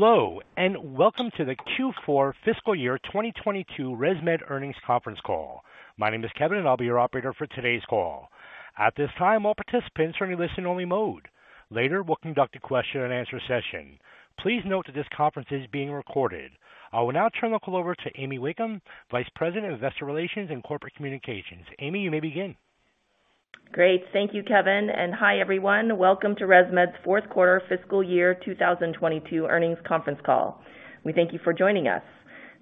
Hello, and welcome to the Q4 Fiscal Year 2022 ResMed Earnings Conference Call. My name is Kevin, and I'll be your operator for today's call. At this time, all participants are in a listen only mode. Later, we'll conduct a question and answer session. Please note that this conference is being recorded. I will now turn the call over to Amy Wakeham, Vice President of Investor Relations and Corporate Communications. Amy, you may begin. Great. Thank you, Kevin. Hi, everyone. Welcome to ResMed's fourth quarter fiscal year 2022 earnings conference call. We thank you for joining us.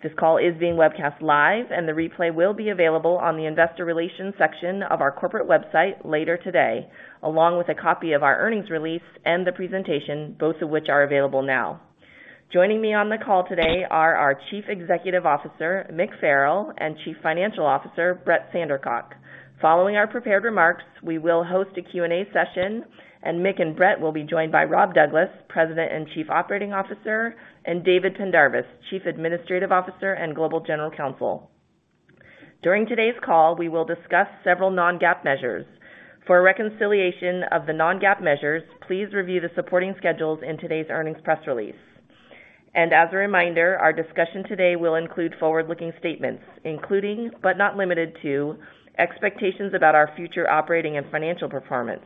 This call is being webcast live and the replay will be available on the investor relations section of our corporate website later today, along with a copy of our earnings release and the presentation, both of which are available now. Joining me on the call today are our Chief Executive Officer, Mick Farrell, and Chief Financial Officer, Brett Sandercock. Following our prepared remarks, we will host a Q&A session, and Mick and Brett will be joined by Rob Douglas, President and Chief Operating Officer, and David Pendarvis, Chief Administrative Officer and Global General Counsel. During today's call, we will discuss several non-GAAP measures. For a reconciliation of the non-GAAP measures, please review the supporting schedules in today's earnings press release. As a reminder, our discussion today will include forward-looking statements, including, but not limited to, expectations about our future operating and financial performance.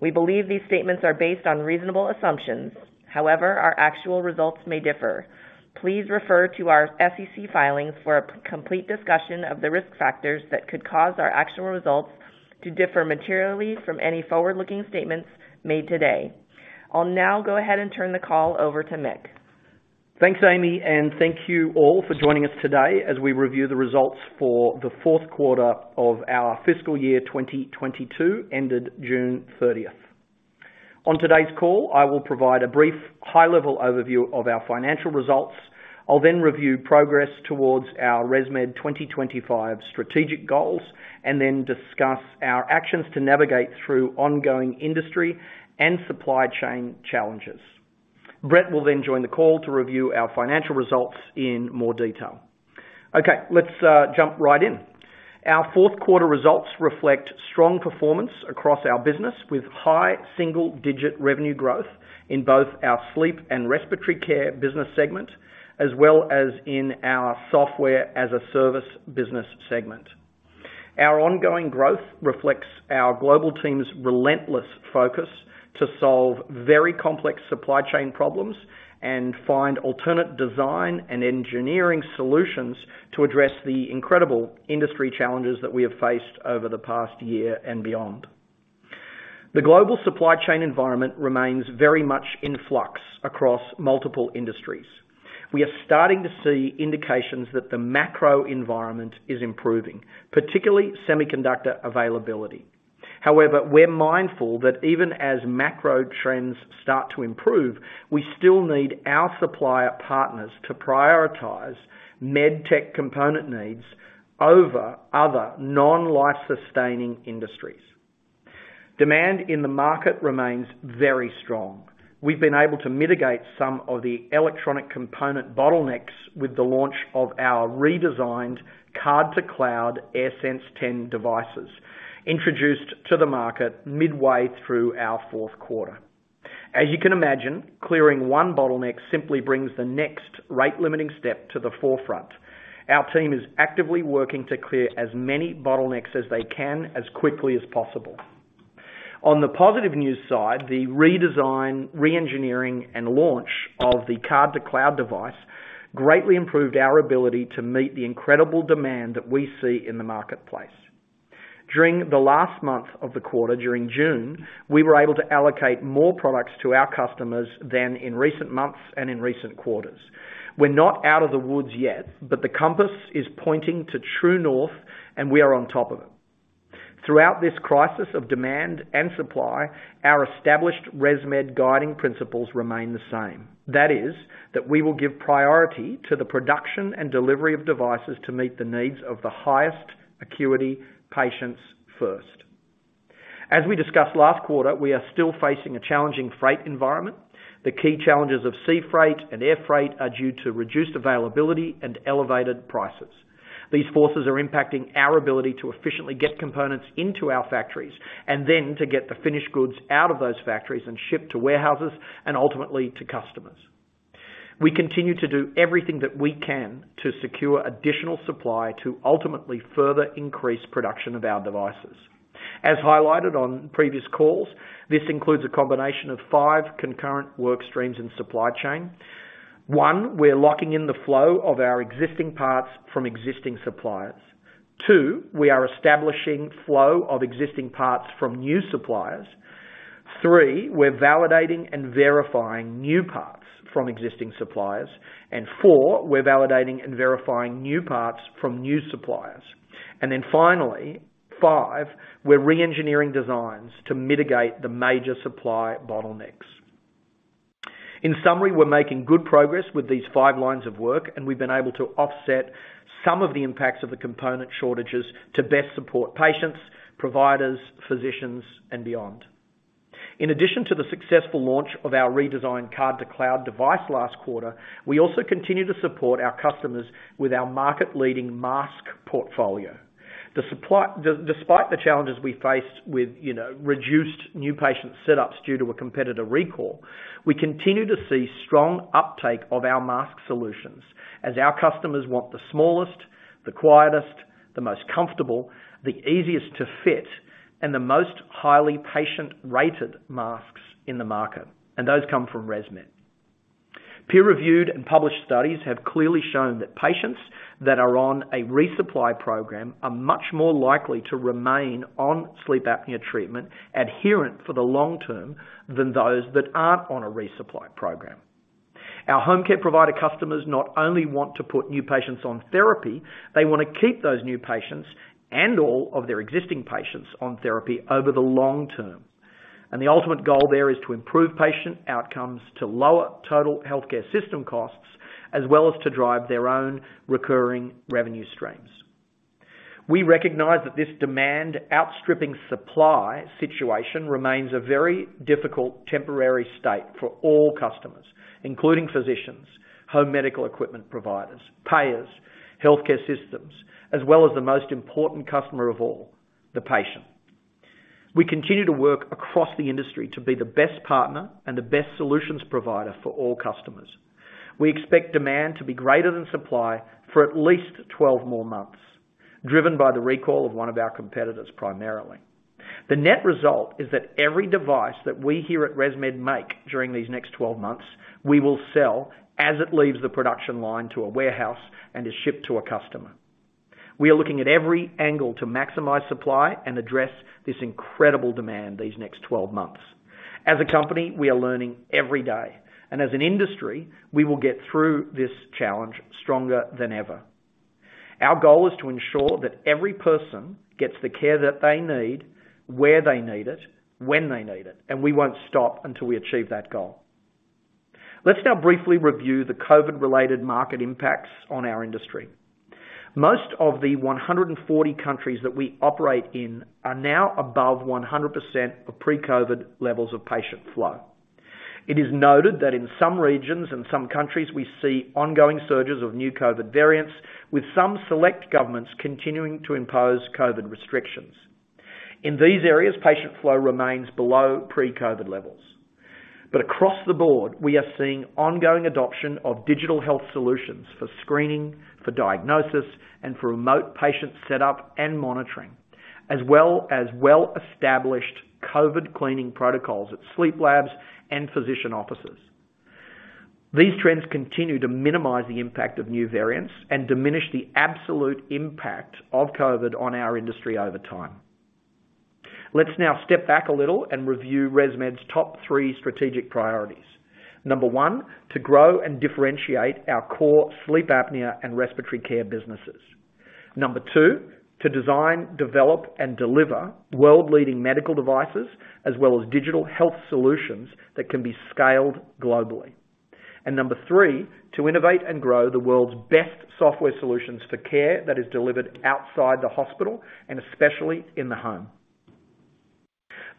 We believe these statements are based on reasonable assumptions. However, our actual results may differ. Please refer to our SEC filings for a complete discussion of the risk factors that could cause our actual results to differ materially from any forward-looking statements made today. I'll now go ahead and turn the call over to Mick. Thanks, Amy, and thank you all for joining us today as we review the results for the fourth quarter of our fiscal year 2022, ended June 30th. On today's call, I will provide a brief high-level overview of our financial results. I'll then review progress towards our ResMed 2025 strategic goals, and then discuss our actions to navigate through ongoing industry and supply chain challenges. Brett will then join the call to review our financial results in more detail. Okay, let's jump right in. Our fourth quarter results reflect strong performance across our business with high single-digit revenue growth in both our Sleep and Respiratory Care business segment, as well as in our Software as a Service business segment. Our ongoing growth reflects our global team's relentless focus to solve very complex supply chain problems and find alternate design and engineering solutions to address the incredible industry challenges that we have faced over the past year and beyond. The global supply chain environment remains very much in flux across multiple industries. We are starting to see indications that the macro environment is improving, particularly semiconductor availability. However, we're mindful that even as macro trends start to improve, we still need our supplier partners to prioritize med tech component needs over other non-life sustaining industries. Demand in the market remains very strong. We've been able to mitigate some of the electronic component bottlenecks with the launch of our redesigned card-to-cloud AirSense 10 devices, introduced to the market midway through our fourth quarter. As you can imagine, clearing one bottleneck simply brings the next rate limiting step to the forefront. Our team is actively working to clear as many bottlenecks as they can as quickly as possible. On the positive news side, the redesign, re-engineering, and launch of the card-to-cloud device greatly improved our ability to meet the incredible demand that we see in the marketplace. During the last month of the quarter, during June, we were able to allocate more products to our customers than in recent months and in recent quarters. We're not out of the woods yet, but the compass is pointing to true north, and we are on top of it. Throughout this crisis of demand and supply, our established ResMed guiding principles remain the same. That is, that we will give priority to the production and delivery of devices to meet the needs of the highest acuity patients first. As we discussed last quarter, we are still facing a challenging freight environment. The key challenges of sea freight and air freight are due to reduced availability and elevated prices. These forces are impacting our ability to efficiently get components into our factories and then to get the finished goods out of those factories and shipped to warehouses and ultimately to customers. We continue to do everything that we can to secure additional supply to ultimately further increase production of our devices. As highlighted on previous calls, this includes a combination of five concurrent work streams and supply chain. One, we're locking in the flow of our existing parts from existing suppliers. Two, we are establishing flow of existing parts from new suppliers. Three, we're validating and verifying new parts from existing suppliers. Four, we're validating and verifying new parts from new suppliers. Finally, five, we're re-engineering designs to mitigate the major supply bottlenecks. In summary, we're making good progress with these five lines of work, and we've been able to offset some of the impacts of the component shortages to best support patients, providers, physicians, and beyond. In addition to the successful launch of our redesigned card-to-cloud device last quarter, we also continue to support our customers with our market-leading mask portfolio. Despite the challenges we faced with, you know, reduced new patient setups due to a competitor recall, we continue to see strong uptake of our mask solutions as our customers want the smallest, the quietest, the most comfortable, the easiest to fit, and the most highly patient-rated masks in the market, and those come from ResMed. Peer-reviewed and published studies have clearly shown that patients that are on a resupply program are much more likely to remain on sleep apnea treatment adherent for the long term than those that aren't on a resupply program. Our home care provider customers not only want to put new patients on therapy. They wanna keep those new patients, and all of their existing patients, on therapy over the long term. The ultimate goal there is to improve patient outcomes, to lower total healthcare system costs, as well as to drive their own recurring revenue streams. We recognize that this demand outstripping supply situation remains a very difficult temporary state for all customers, including physicians, home medical equipment providers, payers, healthcare systems, as well as the most important customer of all, the patient. We continue to work across the industry to be the best partner and the best solutions provider for all customers. We expect demand to be greater than supply for at least 12 more months, driven by the recall of one of our competitors, primarily. The net result is that every device that we here at ResMed make during these next twelve months, we will sell as it leaves the production line to a warehouse and is shipped to a customer. We are looking at every angle to maximize supply and address this incredible demand these next twelve months. As a company, we are learning every day, and as an industry, we will get through this challenge stronger than ever. Our goal is to ensure that every person gets the care that they need, where they need it, when they need it, and we won't stop until we achieve that goal. Let's now briefly review the COVID-related market impacts on our industry. Most of the 140 countries that we operate in are now above 100% of pre-COVID levels of patient flow. It is noted that in some regions and some countries, we see ongoing surges of new COVID variants, with some select governments continuing to impose COVID restrictions. In these areas, patient flow remains below pre-COVID levels. Across the board, we are seeing ongoing adoption of digital health solutions for screening, for diagnosis, and for remote patient setup and monitoring, as well as well-established COVID cleaning protocols at sleep labs and physician offices. These trends continue to minimize the impact of new variants and diminish the absolute impact of COVID on our industry over time. Let's now step back a little and review ResMed's top three strategic priorities. Number one, to grow and differentiate our core sleep apnea and respiratory care businesses. Number two, to design, develop, and deliver world-leading medical devices, as well as digital health solutions that can be scaled globally. Number three, to innovate and grow the world's best software solutions for care that is delivered outside the hospital, and especially in the home.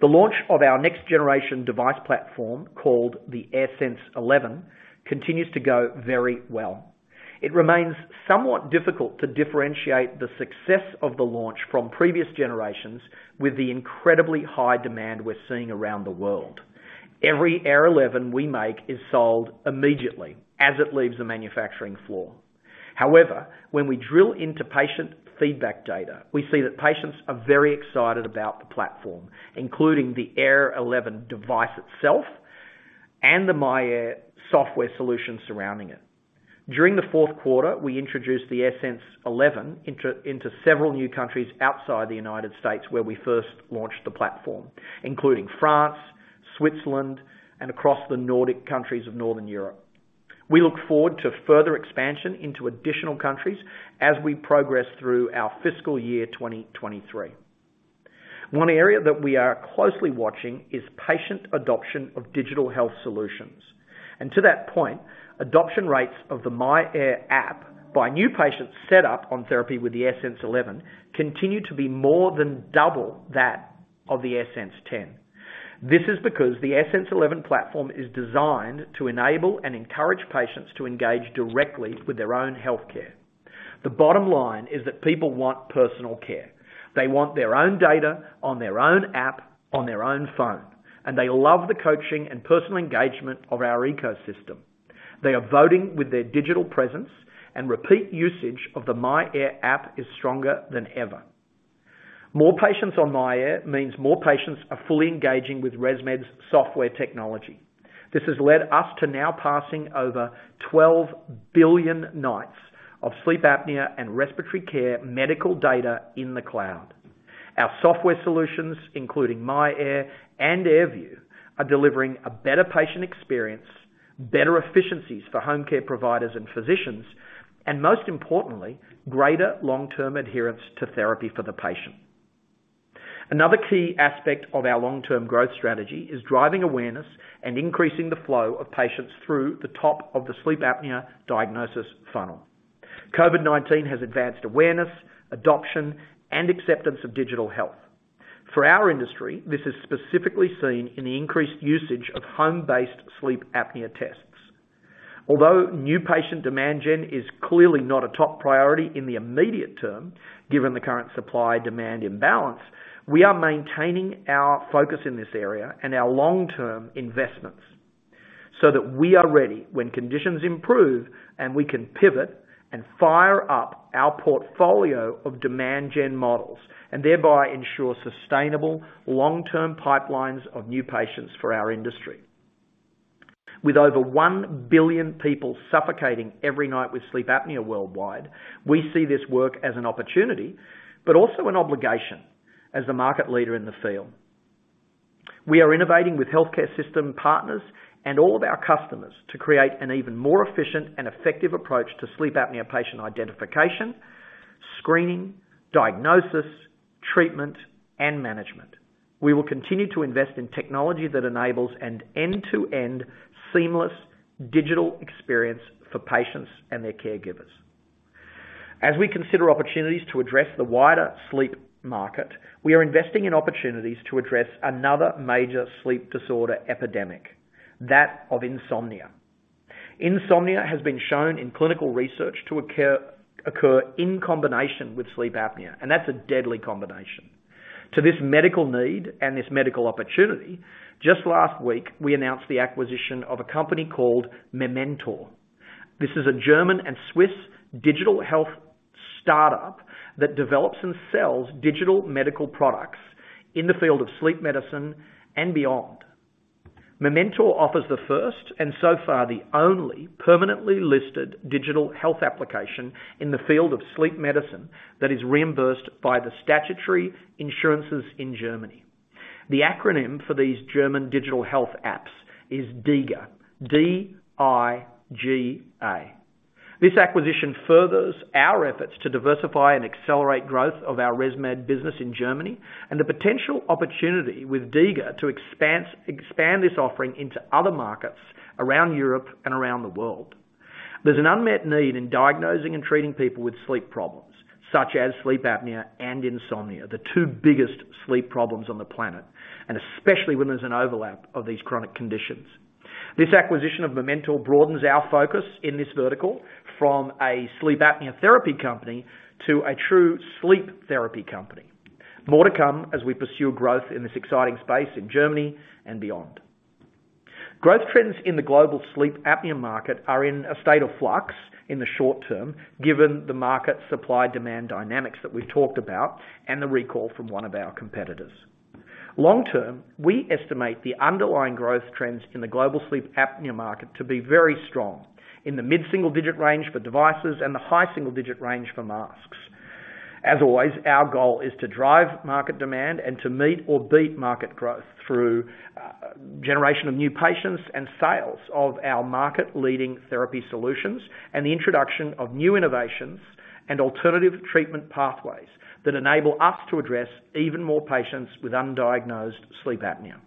The launch of our next generation device platform, called the AirSense 11, continues to go very well. It remains somewhat difficult to differentiate the success of the launch from previous generations with the incredibly high demand we're seeing around the world. Every Air 11 we make is sold immediately as it leaves the manufacturing floor. However, when we drill into patient feedback data, we see that patients are very excited about the platform, including the Air 11 device itself and the myAir software solution surrounding it. During the fourth quarter, we introduced the AirSense 11 into several new countries outside the United States, where we first launched the platform, including France, Switzerland, and across the Nordic countries of Northern Europe. We look forward to further expansion into additional countries as we progress through our fiscal year 2023. One area that we are closely watching is patient adoption of digital health solutions. To that point, adoption rates of the myAir app by new patients set up on therapy with the AirSense 11 continue to be more than double that of the AirSense 10. This is because the AirSense 11 platform is designed to enable and encourage patients to engage directly with their own healthcare. The bottom line is that people want personal care. They want their own data on their own app on their own phone, and they love the coaching and personal engagement of our ecosystem. They are voting with their digital presence and repeat usage of the myAir app is stronger than ever. More patients on myAir means more patients are fully engaging with ResMed's software technology. This has led us to now passing over 12 billion nights of sleep apnea and respiratory care medical data in the cloud. Our software solutions, including myAir and AirView, are delivering a better patient experience, better efficiencies for home care providers and physicians, and most importantly, greater long-term adherence to therapy for the patient. Another key aspect of our long-term growth strategy is driving awareness and increasing the flow of patients through the top of the sleep apnea diagnosis funnel. COVID-19 has advanced awareness, adoption, and acceptance of digital health. For our industry, this is specifically seen in the increased usage of home-based sleep apnea tests. Although new patient demand gen is clearly not a top priority in the immediate term, given the current supply demand imbalance, we are maintaining our focus in this area and our long-term investments so that we are ready when conditions improve and we can pivot and fire up our portfolio of demand gen models and thereby ensure sustainable long-term pipelines of new patients for our industry. With over one billion people suffocating every night with sleep apnea worldwide, we see this work as an opportunity, but also an obligation as the market leader in the field. We are innovating with healthcare system partners and all of our customers to create an even more efficient and effective approach to sleep apnea patient identification, screening, diagnosis, treatment, and management. We will continue to invest in technology that enables an end-to-end seamless digital experience for patients and their caregivers. As we consider opportunities to address the wider sleep market, we are investing in opportunities to address another major sleep disorder epidemic, that of insomnia. Insomnia has been shown in clinical research to occur in combination with sleep apnea, and that's a deadly combination. To this medical need and this medical opportunity, just last week, we announced the acquisition of a company called Mementor. This is a German and Swiss digital health startup that develops and sells digital medical products in the field of sleep medicine and beyond. Mementor offers the first, and so far, the only permanently listed digital health application in the field of sleep medicine that is reimbursed by the statutory insurances in Germany. The acronym for these German digital health apps is DIGA, D-I-G-A. This acquisition furthers our efforts to diversify and accelerate growth of our ResMed business in Germany and the potential opportunity with DIGA to expand this offering into other markets around Europe and around the world. There's an unmet need in diagnosing and treating people with sleep problems such as sleep apnea and insomnia, the two biggest sleep problems on the planet, and especially when there's an overlap of these chronic conditions. This acquisition of Mementor broadens our focus in this vertical from a sleep apnea therapy company to a true sleep therapy company. More to come as we pursue growth in this exciting space in Germany and beyond. Growth trends in the global sleep apnea market are in a state of flux in the short term, given the market supply demand dynamics that we've talked about and the recall from one of our competitors. Long term, we estimate the underlying growth trends in the global sleep apnea market to be very strong in the mid-single-digit range for devices and the high single-digit range for masks. As always, our goal is to drive market demand and to meet or beat market growth through generation of new patients and sales of our market-leading therapy solutions and the introduction of new innovations and alternative treatment pathways that enable us to address even more patients with undiagnosed sleep apnea.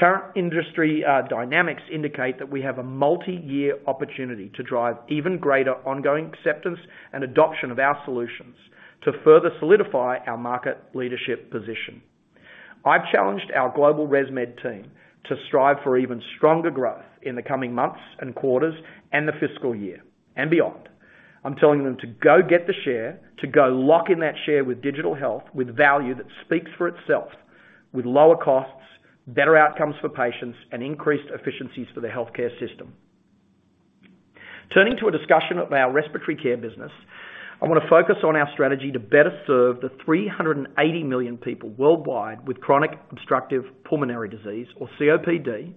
Current industry dynamics indicate that we have a multi-year opportunity to drive even greater ongoing acceptance and adoption of our solutions to further solidify our market leadership position. I've challenged our global ResMed team to strive for even stronger growth in the coming months and quarters and the fiscal year and beyond. I'm telling them to go get the share, to go lock in that share with digital health, with value that speaks for itself, with lower costs, better outcomes for patients, and increased efficiencies for the healthcare system. Turning to a discussion of our respiratory care business, I wanna focus on our strategy to better serve the 380 million people worldwide with chronic obstructive pulmonary disease or COPD,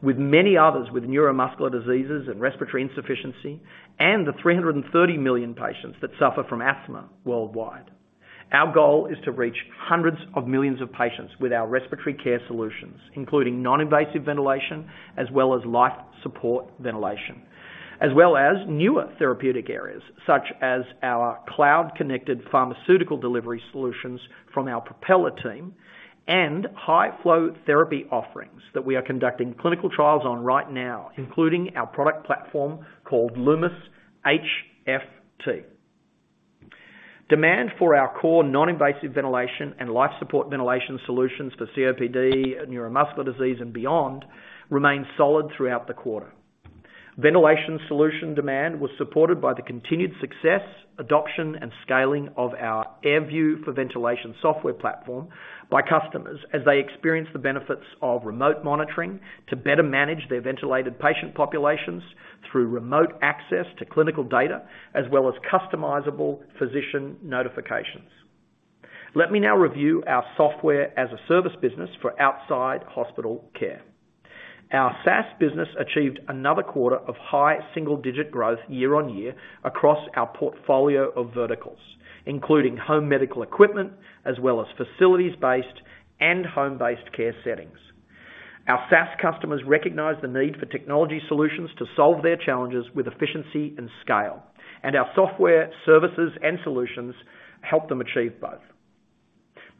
with many others with neuromuscular diseases and respiratory insufficiency, and the 330 million patients that suffer from asthma worldwide. Our goal is to reach hundreds of millions of patients with our respiratory care solutions, including non-invasive ventilation, as well as life support ventilation, as well as newer therapeutic areas such as our cloud-connected pharmaceutical delivery solutions from our Propeller team and high-flow therapy offerings that we are conducting clinical trials on right now, including our product platform called Lumis HFT. Demand for our core non-invasive ventilation and life support ventilation solutions for COPD and neuromuscular disease and beyond remained solid throughout the quarter. Ventilation solution demand was supported by the continued success, adoption, and scaling of our AirView for Ventilation software platform by customers as they experience the benefits of remote monitoring to better manage their ventilated patient populations through remote access to clinical data, as well as customizable physician notifications. Let me now review our Software as a Service business for out-of-hospital care. Our SaaS business achieved another quarter of high single-digit growth year-over-year across our portfolio of verticals, including home medical equipment, as well as facilities-based and home-based care settings. Our SaaS customers recognize the need for technology solutions to solve their challenges with efficiency and scale, and our software services and solutions help them achieve both.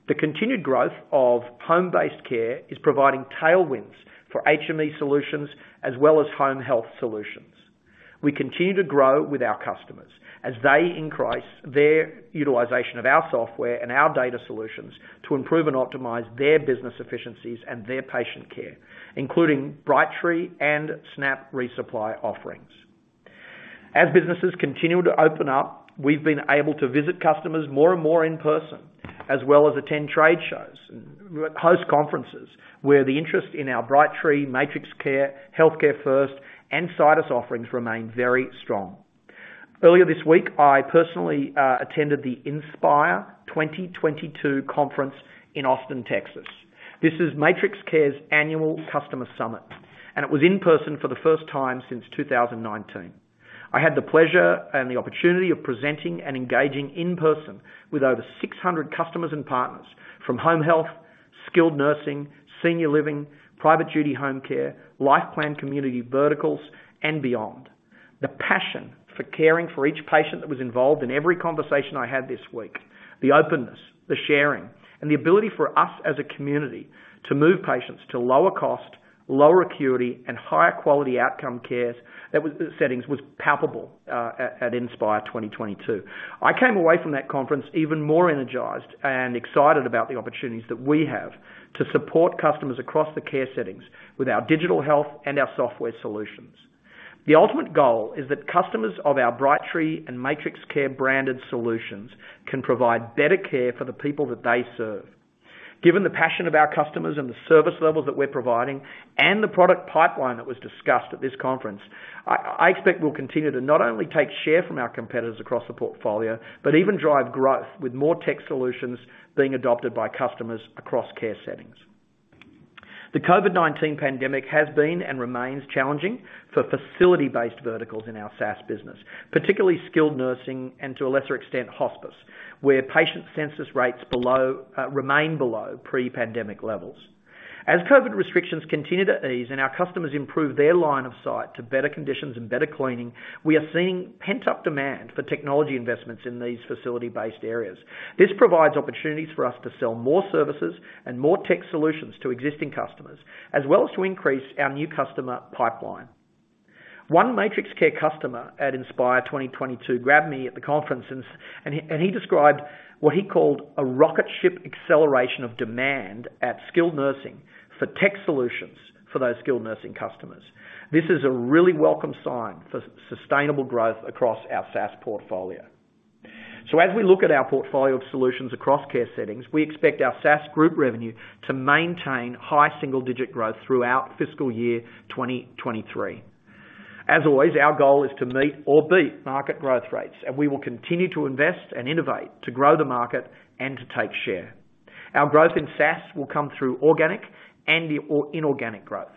The continued growth of home-based care is providing tailwinds for HME solutions as well as home health solutions. We continue to grow with our customers as they increase their utilization of our software and our data solutions to improve and optimize their business efficiencies and their patient care, including Brightree and Snap Resupply offerings. As businesses continue to open up, we've been able to visit customers more and more in person, as well as attend trade shows and host conferences where the interest in our Brightree, MatrixCare, HEALTHCAREfirst, and Citus Health offerings remain very strong. Earlier this week, I personally attended the Inspire 2022 conference in Austin, Texas. This is MatrixCare's annual customer summit, and it was in person for the first time since 2019. I had the pleasure and the opportunity of presenting and engaging in person with over 600 customers and partners from home health, skilled nursing, senior living, private duty home care, life plan community verticals and beyond. The passion for caring for each patient that was involved in every conversation I had this week, the openness, the sharing, and the ability for us as a community to move patients to lower cost, lower acuity, and higher quality outcome care settings was palpable at Inspire 2022. I came away from that conference even more energized and excited about the opportunities that we have to support customers across the care settings with our digital health and our software solutions. The ultimate goal is that customers of our Brightree and MatrixCare branded solutions can provide better care for the people that they serve. Given the passion of our customers and the service levels that we're providing, and the product pipeline that was discussed at this conference, I expect we'll continue to not only take share from our competitors across the portfolio, but even drive growth with more tech solutions being adopted by customers across care settings. The COVID-19 pandemic has been and remains challenging for facility-based verticals in our SaaS business, particularly skilled nursing and to a lesser extent, hospice, where patient census rates remain below pre-pandemic levels. As COVID restrictions continue to ease and our customers improve their line of sight to better conditions and better staffing, we are seeing pent-up demand for technology investments in these facility-based areas. This provides opportunities for us to sell more services and more tech solutions to existing customers, as well as to increase our new customer pipeline. One MatrixCare customer at Inspire 2022 grabbed me at the conference and described what he called a rocket ship acceleration of demand at skilled nursing for tech solutions for those skilled nursing customers. This is a really welcome sign for sustainable growth across our SaaS portfolio. As we look at our portfolio of solutions across care settings, we expect our SaaS group revenue to maintain high single-digit growth throughout fiscal year 2023. As always, our goal is to meet or beat market growth rates, and we will continue to invest and innovate to grow the market and to take share. Our growth in SaaS will come through organic and inorganic growth.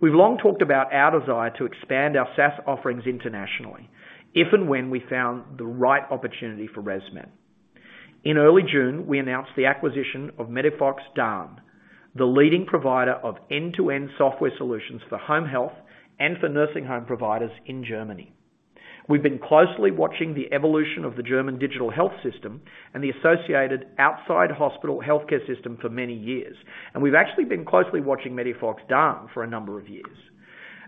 We've long talked about our desire to expand our SaaS offerings internationally, if and when we found the right opportunity for ResMed. In early June, we announced the acquisition of MEDIFOX DAN, the leading provider of end-to-end software solutions for home health and for nursing home providers in Germany. We've been closely watching the evolution of the German digital health system and the associated outside hospital healthcare system for many years, and we've actually been closely watching MEDIFOX DAN for a number of years.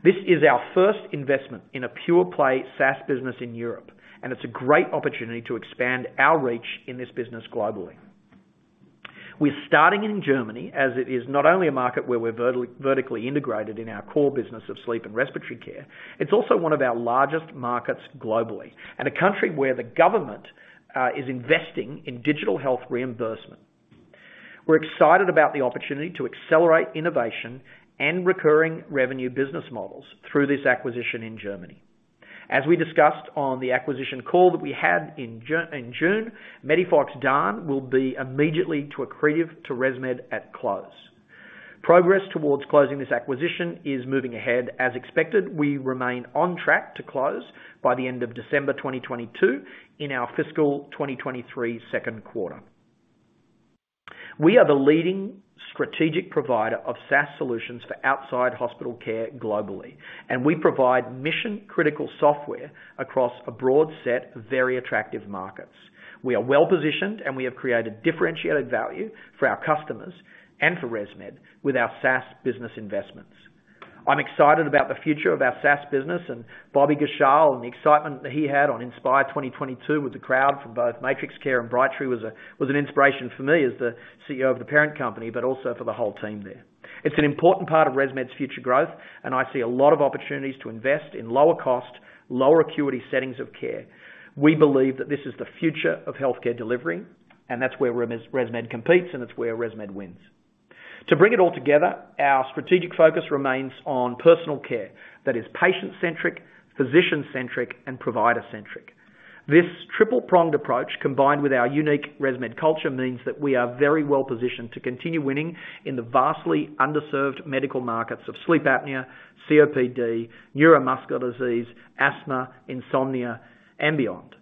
This is our first investment in a pure play SaaS business in Europe, and it's a great opportunity to expand our reach in this business globally. We're starting in Germany as it is not only a market where we're vertically integrated in our core business of Sleep and Respiratory Care, it's also one of our largest markets globally, and a country where the government is investing in digital health reimbursement. We're excited about the opportunity to accelerate innovation and recurring revenue business models through this acquisition in Germany. As we discussed on the acquisition call that we had in June, MEDIFOX DAN will be immediately accretive to ResMed at close. Progress towards closing this acquisition is moving ahead as expected. We remain on track to close by the end of December 2022 in our fiscal 2023 second quarter. We are the leading strategic provider of SaaS solutions for out-of-hospital care globally, and we provide mission-critical software across a broad set of very attractive markets. We are well-positioned and we have created differentiated value for our customers and for ResMed with our SaaS business investments. I'm excited about the future of our SaaS business and Bobby Ghoshal and the excitement that he had on Inspire 2022 with the crowd from both MatrixCare and Brightree was an inspiration for me as the CEO of the parent company, but also for the whole team there. It's an important part of ResMed's future growth, and I see a lot of opportunities to invest in lower cost, lower acuity settings of care. We believe that this is the future of healthcare delivery, and that's where ResMed competes, and it's where ResMed wins. To bring it all together, our strategic focus remains on personal care that is patient-centric, physician-centric, and provider-centric. This triple-pronged approach, combined with our unique ResMed culture, means that we are very well positioned to continue winning in the vastly underserved medical markets of sleep apnea, COPD, neuromuscular disease, asthma, insomnia and beyond.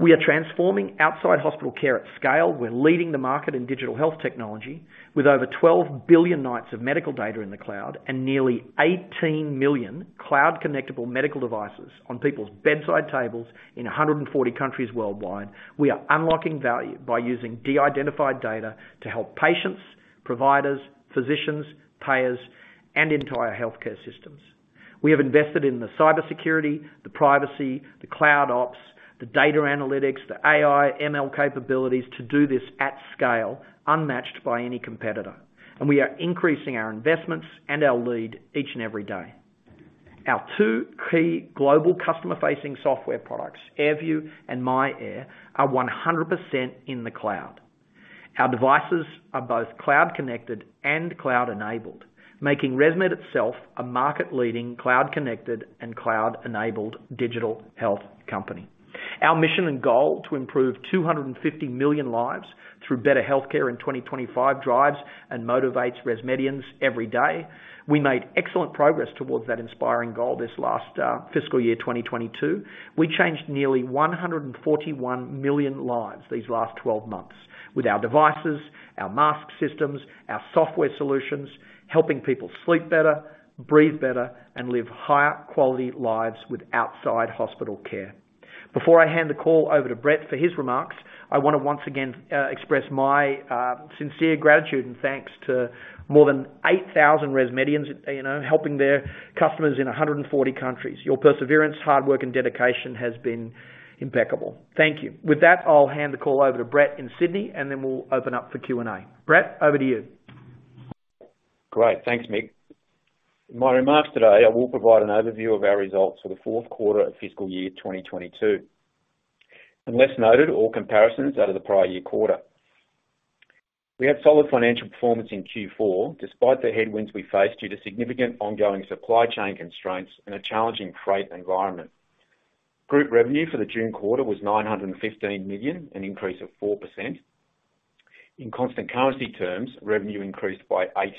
We are transforming outside hospital care at scale. We're leading the market in digital health technology. With over 12 billion nights of medical data in the cloud and nearly 18 million cloud connectable medical devices on people's bedside tables in 140 countries worldwide, we are unlocking value by using de-identified data to help patients, providers, physicians, payers, and entire healthcare systems. We have invested in the cybersecurity, the privacy, the cloud ops, the data analytics, the AI/ML capabilities to do this at scale, unmatched by any competitor. We are increasing our investments and our lead each and every day. Our two key global customer-facing software products, AirView and myAir, are 100% in the cloud. Our devices are both cloud connected and cloud enabled, making ResMed itself a market leading cloud connected and cloud enabled digital health company. Our mission and goal to improve 250 million lives through better healthcare in 2025 drives and motivates ResMedians every day. We made excellent progress towards that inspiring goal this last fiscal year, 2022. We changed nearly 141 million lives these last 12 months with our devices, our mask systems, our software solutions, helping people sleep better, breathe better, and live higher quality lives with out-of-hospital care. Before I hand the call over to Brett for his remarks, I wanna once again express my sincere gratitude and thanks to more than 8,000 ResMedians, you know, helping their customers in 140 countries. Your perseverance, hard work, and dedication has been impeccable. Thank you. With that, I'll hand the call over to Brett in Sydney, and then we'll open up for Q&A. Brett, over to you. Great. Thanks, Mick. In my remarks today, I will provide an overview of our results for the fourth quarter of fiscal year 2022. Unless noted, all comparisons are to the prior year quarter. We had solid financial performance in Q4 despite the headwinds we faced due to significant ongoing supply chain constraints and a challenging freight environment. Group revenue for the June quarter was $915 million, an increase of 4%. In constant currency terms, revenue increased by 8%.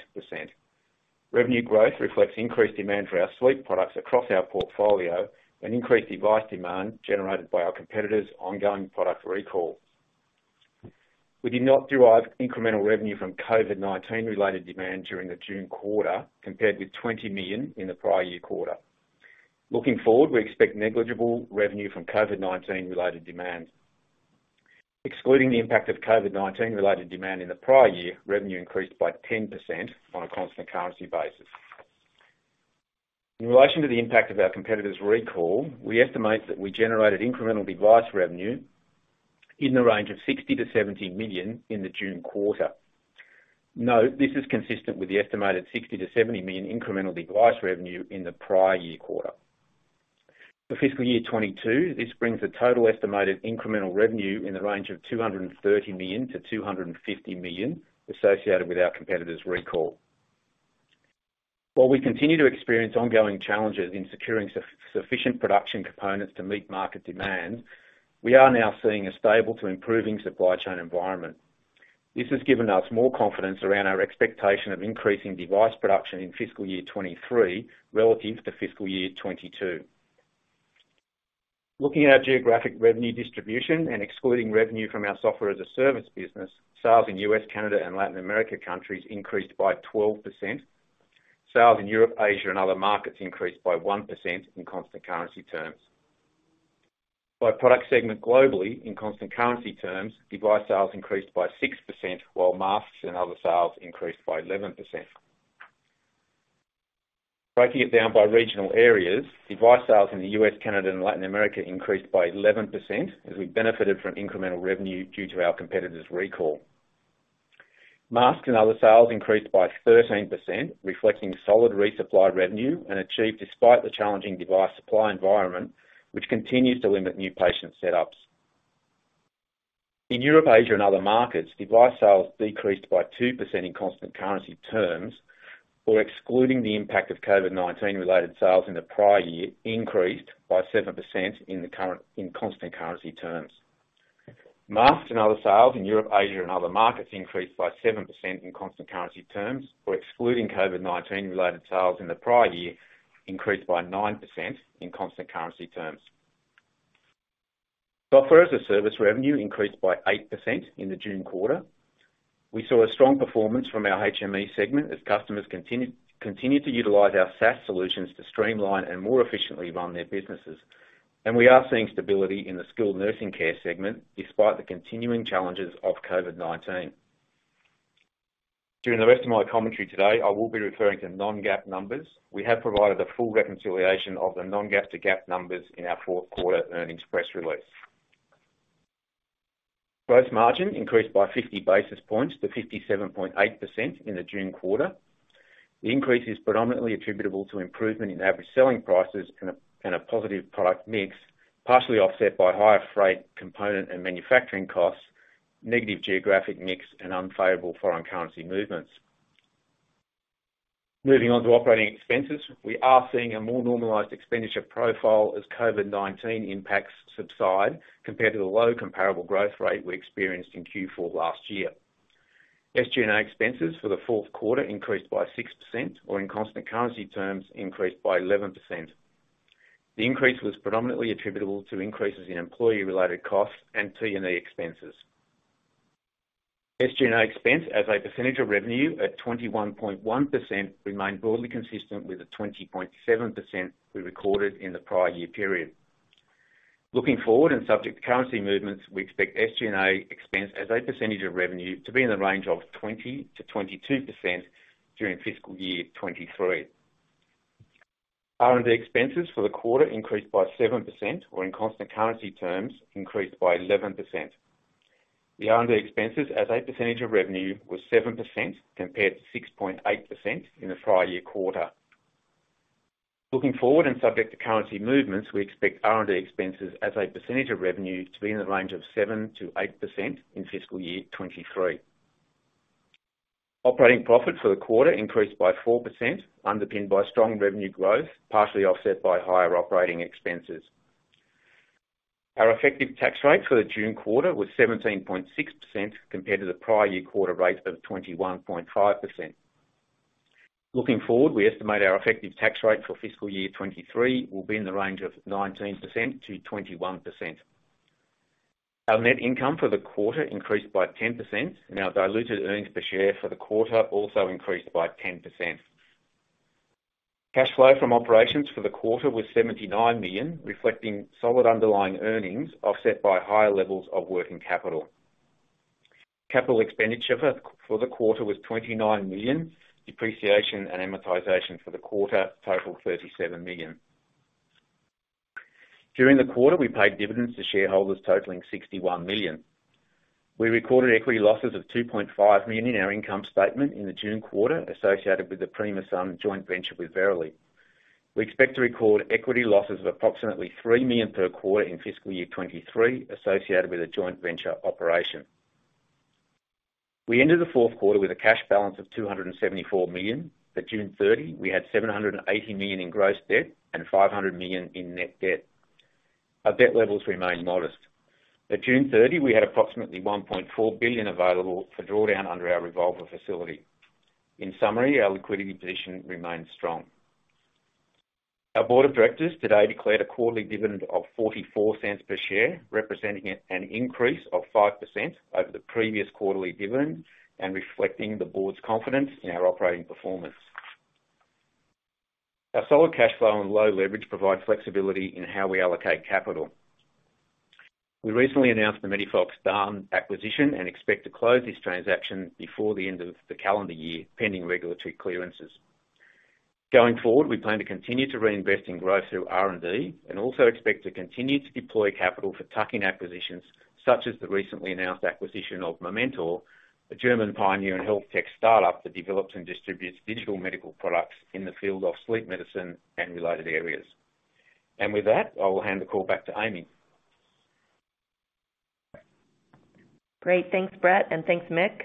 Revenue growth reflects increased demand for our sleep products across our portfolio and increased device demand generated by our competitors' ongoing product recall. We did not derive incremental revenue from COVID-19 related demand during the June quarter compared with $20 million in the prior year quarter. Looking forward, we expect negligible revenue from COVID-19 related demand. Excluding the impact of COVID-19 related demand in the prior year, revenue increased by 10% on a constant currency basis. In relation to the impact of our competitor's recall, we estimate that we generated incremental device revenue in the range of $60 million-$70 million in the June quarter. Note, this is consistent with the estimated $60 million-$70 million incremental device revenue in the prior year quarter. For fiscal year 2022, this brings the total estimated incremental revenue in the range of $230 million-$250 million associated with our competitor's recall. While we continue to experience ongoing challenges in securing sufficient production components to meet market demand, we are now seeing a stable to improving supply chain environment. This has given us more confidence around our expectation of increasing device production in fiscal year 2023 relative to fiscal year 2022. Looking at our geographic revenue distribution and excluding revenue from our Software as a Service business, sales in U.S., Canada, and Latin America countries increased by 12%. Sales in Europe, Asia, and other markets increased by 1% in constant currency terms. By product segment globally, in constant currency terms, device sales increased by 6%, while masks and other sales increased by 11%. Breaking it down by regional areas, device sales in the U.S., Canada, and Latin America increased by 11% as we benefited from incremental revenue due to our competitor's recall. Masks and other sales increased by 13%, reflecting solid resupply revenue and achieved despite the challenging device supply environment, which continues to limit new patient setups. In Europe, Asia, and other markets, device sales decreased by 2% in constant currency terms, or excluding the impact of COVID-19 related sales in the prior year, increased by 7% in constant currency terms. Masks and other sales in Europe, Asia, and other markets increased by 7% in constant currency terms, or excluding COVID-19 related sales in the prior year, increased by 9% in constant currency terms. Software as a Service revenue increased by 8% in the June quarter. We saw a strong performance from our HME segment as customers continue to utilize our SaaS solutions to streamline and more efficiently run their businesses. We are seeing stability in the skilled nursing care segment despite the continuing challenges of COVID-19. During the rest of my commentary today, I will be referring to non-GAAP numbers. We have provided a full reconciliation of the non-GAAP to GAAP numbers in our fourth quarter earnings press release. Gross margin increased by 50 basis points to 57.8% in the June quarter. The increase is predominantly attributable to improvement in average selling prices and a positive product mix, partially offset by higher freight component and manufacturing costs, negative geographic mix, and unfavorable foreign currency movements. Moving on to operating expenses. We are seeing a more normalized expenditure profile as COVID-19 impacts subside compared to the low comparable growth rate we experienced in Q4 last year. SG&A expenses for the fourth quarter increased by 6% or in constant currency terms, increased by 11%. The increase was predominantly attributable to increases in employee-related costs and T&E expenses. SG&A expense as a percentage of revenue at 21.1% remained broadly consistent with the 20.7% we recorded in the prior year period. Looking forward and subject to currency movements, we expect SG&A expense as a percentage of revenue to be in the range of 20%-22% during fiscal year 2023. R&D expenses for the quarter increased by 7% or in constant currency terms, increased by 11%. The R&D expenses as a percentage of revenue was 7% compared to 6.8% in the prior year quarter. Looking forward and subject to currency movements, we expect R&D expenses as a percentage of revenue to be in the range of 7%-8% in fiscal year 2023. Operating profit for the quarter increased by 4%, underpinned by strong revenue growth, partially offset by higher operating expenses. Our effective tax rate for the June quarter was 17.6% compared to the prior year quarter rate of 21.5%. Looking forward, we estimate our effective tax rate for fiscal year 2023 will be in the range of 19%-21%. Our net income for the quarter increased by 10%, and our diluted earnings per share for the quarter also increased by 10%. Cash flow from operations for the quarter was $79 million, reflecting solid underlying earnings, offset by higher levels of working capital. Capital expenditure for the quarter was $29 million. Depreciation and amortization for the quarter totaled $37 million. During the quarter, we paid dividends to shareholders totaling $61 million. We recorded equity losses of $2.5 million in our income statement in the June quarter associated with the Primasun joint venture with Verily. We expect to record equity losses of approximately $3 million per quarter in fiscal year 2023 associated with the joint venture operation. We ended the fourth quarter with a cash balance of $274 million. At June 30, we had $780 million in gross debt and $500 million in net debt. Our debt levels remain modest. At June 30, we had approximately $1.4 billion available for drawdown under our revolver facility. In summary, our liquidity position remains strong. Our board of directors today declared a quarterly dividend of $0.44 per share, representing an increase of 5% over the previous quarterly dividend and reflecting the board's confidence in our operating performance. Our solid cash flow and low leverage provide flexibility in how we allocate capital. We recently announced the MEDIFOX DAN acquisition and expect to close this transaction before the end of the calendar year, pending regulatory clearances. Going forward, we plan to continue to reinvest in growth through R&D and also expect to continue to deploy capital for tuck-in acquisitions such as the recently announced acquisition of Mementor, a German pioneer and health tech start-up that develops and distributes digital medical products in the field of sleep medicine and related areas. With that, I will hand the call back to Amy. Great. Thanks, Brett. Thanks, Mick.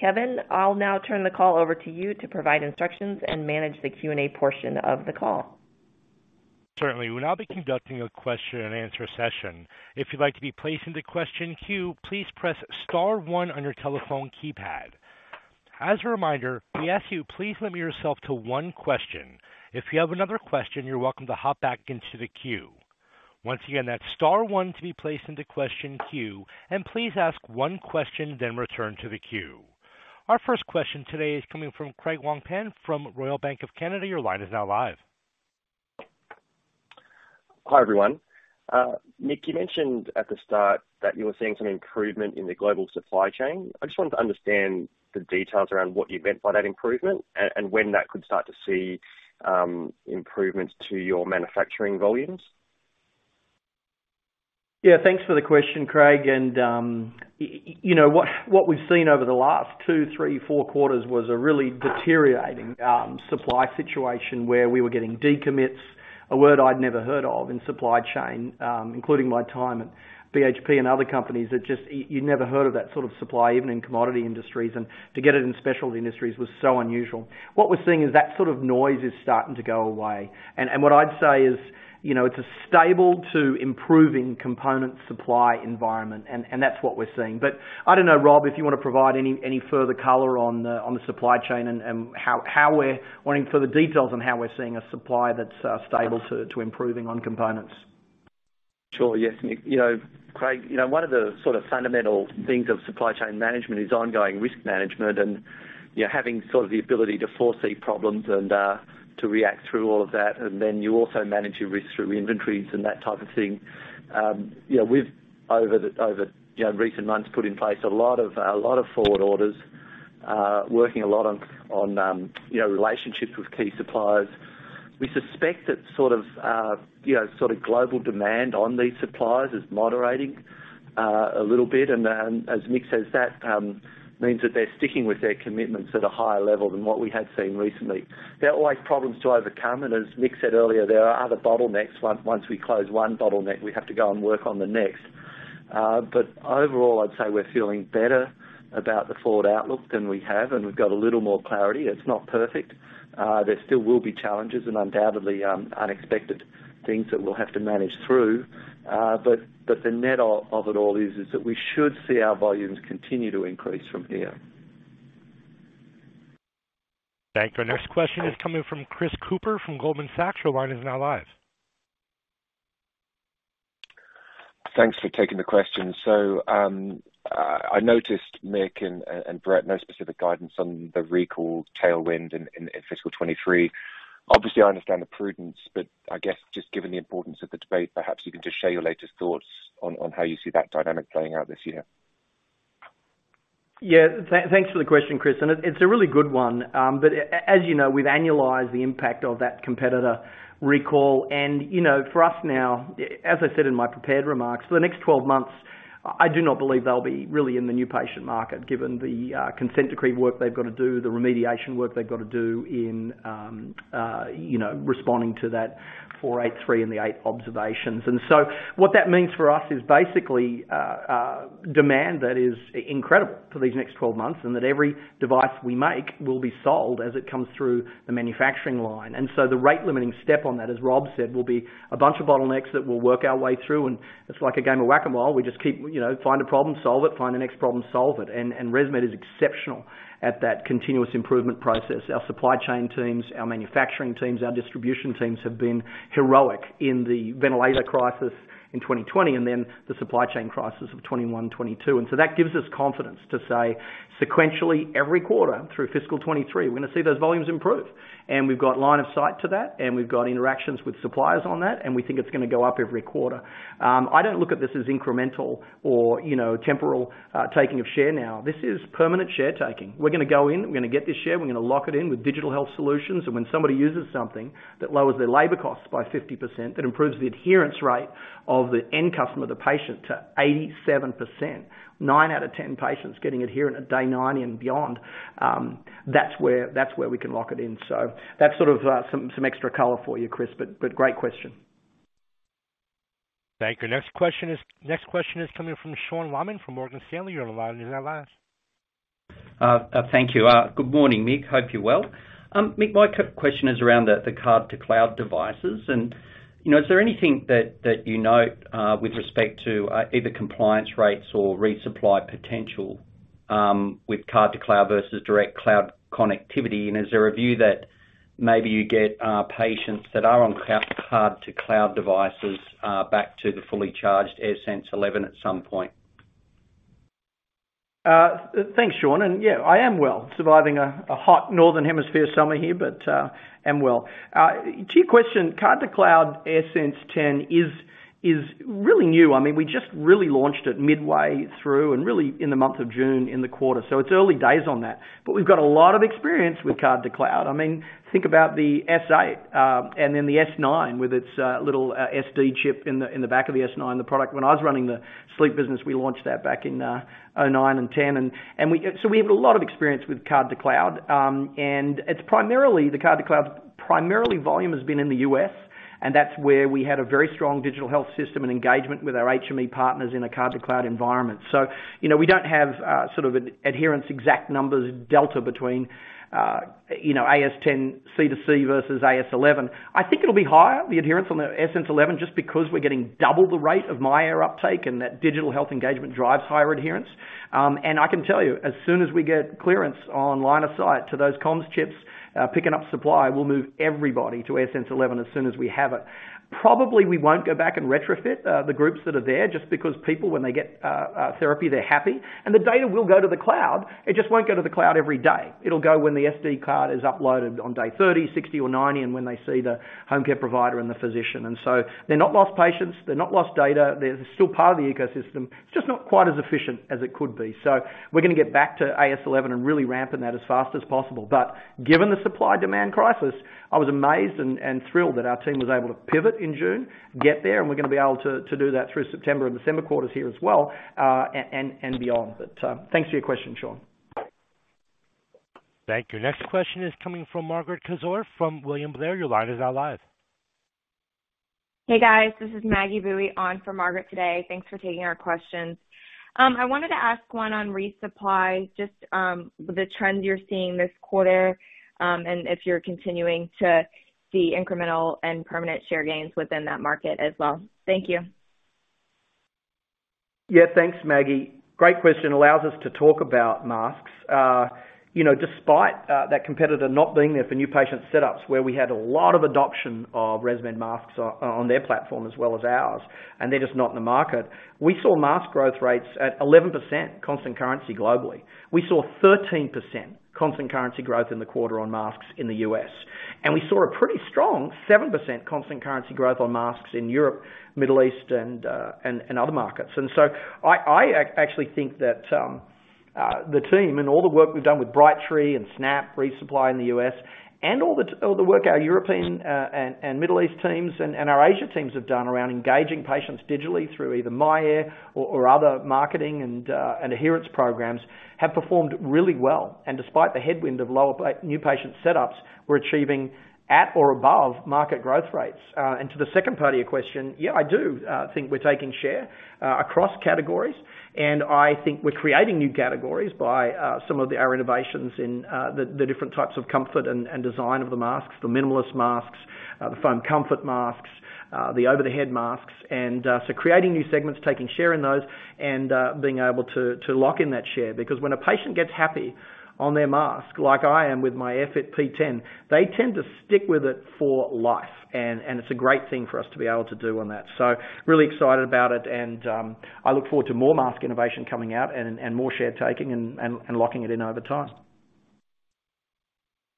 Kevin, I'll now turn the call over to you to provide instructions and manage the Q&A portion of the call. Certainly. We'll now be conducting a question and answer session. If you'd like to be placed into question queue, please press star one on your telephone keypad. As a reminder, we ask you please limit yourself to one question. If you have another question, you're welcome to hop back into the queue. Once again, that's star one to be placed into question queue, and please ask one question then return to the queue. Our first question today is coming from Craig Wong-Pan from Royal Bank of Canada. Your line is now live. Hi, everyone. Mick, you mentioned at the start that you were seeing some improvement in the global supply chain. I just wanted to understand the details around what you meant by that improvement and when that could start to see improvements to your manufacturing volumes? Yeah, thanks for the question, Craig. You know, what we've seen over the last two, three, four quarters was a really deteriorating supply situation where we were getting decommits, a word I'd never heard of in supply chain, including my time at BHP and other companies that just you'd never heard of that sort of supply, even in commodity industries. To get it in specialty industries was so unusual. What we're seeing is that sort of noise is starting to go away. What I'd say is, you know, it's a stable to improving component supply environment, that's what we're seeing. I don't know, Rob, if you wanna provide any further color on the supply chain and how we're waiting for the details on how we're seeing a supply that's stable to improving on components. Sure. Yes, Mick. You know, Craig, you know, one of the sort of fundamental things of supply chain management is ongoing risk management and, you know, having sort of the ability to foresee problems and to react through all of that. You also manage your risk through inventories and that type of thing. You know, we've over the you know recent months put in place a lot of forward orders, working a lot on relationships with key suppliers. We suspect that sort of global demand on these suppliers is moderating a little bit. As Mick says, that means that they're sticking with their commitments at a higher level than what we had seen recently. There are always problems to overcome, and as Mick said earlier, there are other bottlenecks. Once we close one bottleneck, we have to go and work on the next. Overall, I'd say we're feeling better about the forward outlook than we have, and we've got a little more clarity. It's not perfect. There still will be challenges and undoubtedly, unexpected things that we'll have to manage through. The net of it all is that we should see our volumes continue to increase from here. Thank you. Our next question is coming from Chris Cooper from Goldman Sachs. Your line is now live. Thanks for taking the question. I noticed, Mick and Brett, no specific guidance on the recall tailwind in fiscal 2023. Obviously, I understand the prudence, but I guess just given the importance of the debate, perhaps you can just share your latest thoughts on how you see that dynamic playing out this year? Yeah. Thanks for the question, Chris, and it's a really good one. But as you know, we've annualized the impact of that competitor recall. You know, for us now, as I said in my prepared remarks, for the next 12 months, I do not believe they'll be really in the new patient market, given the consent decree work they've got to do, the remediation work they've got to do, you know, responding to that Form 483 and the eight observations. What that means for us is basically demand that is incredible for these next 12 months, and that every device we make will be sold as it comes through the manufacturing line. The rate limiting step on that, as Rob said, will be a bunch of bottlenecks that we'll work our way through, and it's like a game of Whac-A-Mole. We just keep, you know, find a problem, solve it, find the next problem, solve it. ResMed is exceptional at that continuous improvement process. Our supply chain teams, our manufacturing teams, our distribution teams have been heroic in the ventilator crisis in 2020, and then the supply chain crisis of 2021, 2022. That gives us confidence to say sequentially every quarter through fiscal 2023, we're gonna see those volumes improve. And we've got line of sight to that, and we've got interactions with suppliers on that, and we think it's gonna go up every quarter. I don't look at this as incremental or, you know, temporal, taking of share now. This is permanent share taking. We're gonna go in, we're gonna get this share, we're gonna lock it in with digital health solutions. When somebody uses something that lowers their labor costs by 50%, that improves the adherence rate of the end customer, the patient, to 87%. Nine out of 10 patients getting adherent at day 90 and beyond, that's where we can lock it in. That's sort of some extra color for you, Chris. Great question. Thank you. Next question is coming from Sean Laaman from Morgan Stanley. Your line is now live. Thank you. Good morning, Mick. Hope you're well. Mick, my question is around the card-to-cloud devices. You know, is there anything that you know with respect to either compliance rates or resupply potential with card-to-cloud versus direct cloud connectivity? Is there a view that maybe you get patients that are on card-to-cloud devices back to the fully charged AirSense 11 at some point? Thanks, Sean. Yeah, I am well. Surviving a hot northern hemisphere summer here, but am well. To your question, card-to-cloud AirSense 10 is really new. I mean, we just really launched it midway through and really in the month of June in the quarter. It's early days on that. We've got a lot of experience with card-to-cloud. I mean, think about the S8 and then the S9 with its little SD card in the back of the S9, the product. When I was running the sleep business, we launched that back in 2009 and 2010. We have a lot of experience with card-to-cloud. It's primarily the card-to-cloud volume has been in the U.S., and that's where we had a very strong digital health system and engagement with our HME partners in a card-to-cloud environment. You know, we don't have sort of an adherence exact numbers delta between you know, AS 10 C2C versus AS 11. I think it'll be higher, the adherence on the AirSense 11, just because we're getting double the rate of myAir uptake and that digital health engagement drives higher adherence. I can tell you, as soon as we get clearance on line of sight to those comms chips picking up supply, we'll move everybody to AirSense 11 as soon as we have it. Probably we won't go back and retrofit the groups that are there just because people when they get a therapy, they're happy. The data will go to the cloud, it just won't go to the cloud every day. It'll go when the SD card is uploaded on day 30, 60, or 90, and when they see the home care provider and the physician. They're not lost patients, they're not lost data, they're still part of the ecosystem. It's just not quite as efficient as it could be. We're gonna get back to AirSense 11 and really ramping that as fast as possible. Given the supply-demand crisis, I was amazed and thrilled that our team was able to pivot in June, get there, and we're gonna be able to do that through September and December quarters here as well, and beyond. Thanks for your question, Sean. Thank you. Next question is coming from Margaret Kaczor from William Blair. Your line is now live. Hey, guys, this is Maggie Boeye on for Margaret Kaczor today. Thanks for taking our questions. I wanted to ask one on resupply, just, the trends you're seeing this quarter, and if you're continuing to see incremental and permanent share gains within that market as well. Thank you. Yeah. Thanks, Maggie. Great question. Allows us to talk about masks. You know, despite that competitor not being there for new patient setups, where we had a lot of adoption of ResMed masks on their platform as well as ours, and they're just not in the market. We saw mask growth rates at 11% constant currency globally. We saw 13% constant currency growth in the quarter on masks in the U.S.. We saw a pretty strong 7% constant currency growth on masks in Europe, Middle East, and other markets. I actually think that the team and all the work we've done with Brightree and Snap resupply in the U.S., and all the work our European and Middle East teams and our Asia teams have done around engaging patients digitally through either myAir or other marketing and adherence programs have performed really well. Despite the headwind of lower new patient setups, we're achieving at or above market growth rates. To the second part of your question, yeah, I do think we're taking share across categories, and I think we're creating new categories by our innovations in the different types of comfort and design of the masks, the minimalist masks, the foam comfort masks, the over-the-head masks. Creating new segments, taking share in those, and being able to lock in that share. Because when a patient gets happy on their mask, like I am with my AirFit P10, they tend to stick with it for life. It's a great thing for us to be able to do on that. Really excited about it, and I look forward to more mask innovation coming out and more share taking and locking it in over time.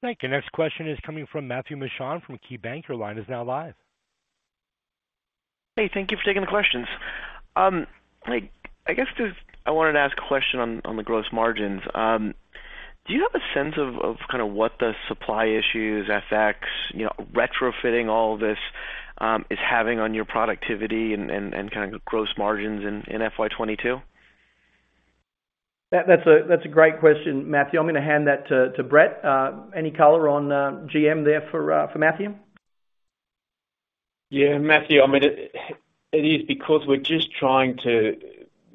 Thank you. Next question is coming from Matt Mishan from KeyBanc. Your line is now live. Hey, thank you for taking the questions. Like, I guess just I wanted to ask a question on the gross margins. Do you have a sense of kinda what the supply issues, FX, you know, retrofitting all this, is having on your productivity and kinda gross margins in FY 2022? That's a great question, Matthew. I'm gonna hand that to Brett. Any color on GM there for Matthew? Yeah. Matt, I mean, it is because we're just trying to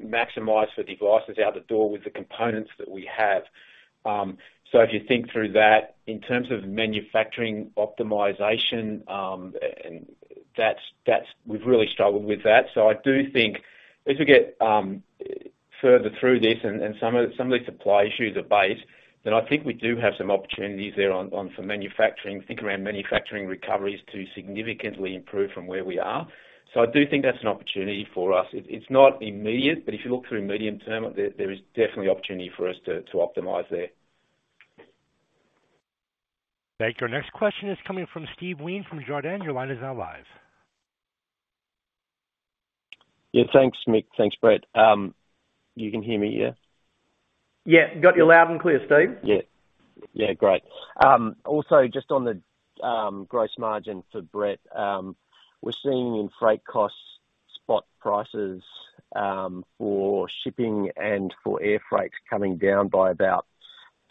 maximize the devices out the door with the components that we have. If you think through that in terms of manufacturing optimization, and that's. We've really struggled with that. I do think as we get further through this and some of the supply issues abate, then I think we do have some opportunities there on some manufacturing recoveries to significantly improve from where we are. I do think that's an opportunity for us. It's not immediate, but if you look through medium term, there is definitely opportunity for us to optimize there. Thank you. Our next question is coming from Steve Wheen from Jarden. Your line is now live. Yeah. Thanks, Mick. Thanks, Brett. You can hear me, yeah? Yeah. Got you loud and clear, Steve. Yeah, great. Also just on the gross margin for Brett, we're seeing in freight costs spot prices for shipping and for air freight coming down by about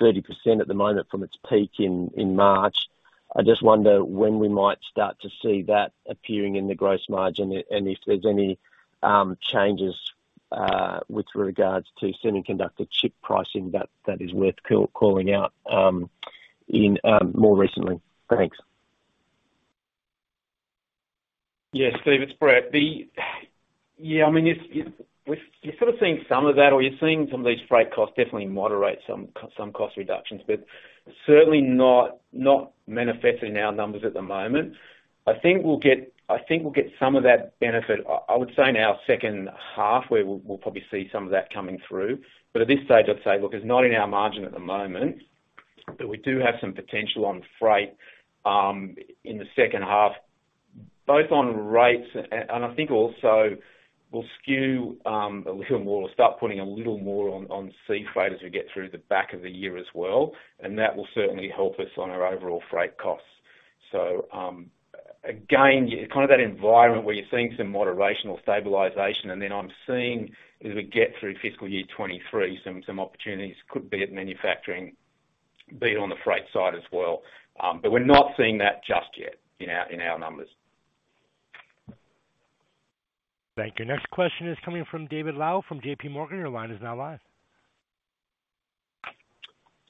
30% at the moment from its peak in March. I just wonder when we might start to see that appearing in the gross margin and if there's any changes with regards to semiconductor chip pricing that is worth calling out in more recently. Thanks. Yeah. Steve, it's Brett. Yeah, I mean, you're sort of seeing some of that or you're seeing some of these freight costs definitely moderate some cost reductions, but certainly not manifesting in our numbers at the moment. I think we'll get some of that benefit. I would say in our second half, where we'll probably see some of that coming through. At this stage, I'd say, look, it's not in our margin at the moment, but we do have some potential on freight in the second half, both on rates and I think also we'll skew a little more or start putting a little more on sea freight as we get through the back of the year as well, and that will certainly help us on our overall freight costs. Again, kind of that environment where you're seeing some moderation or stabilization, and then I'm seeing as we get through fiscal year 2023, some opportunities could be at manufacturing, be it on the freight side as well. But we're not seeing that just yet in our numbers. Thank you. Next question is coming from David Low from JPMorgan. Your line is now live.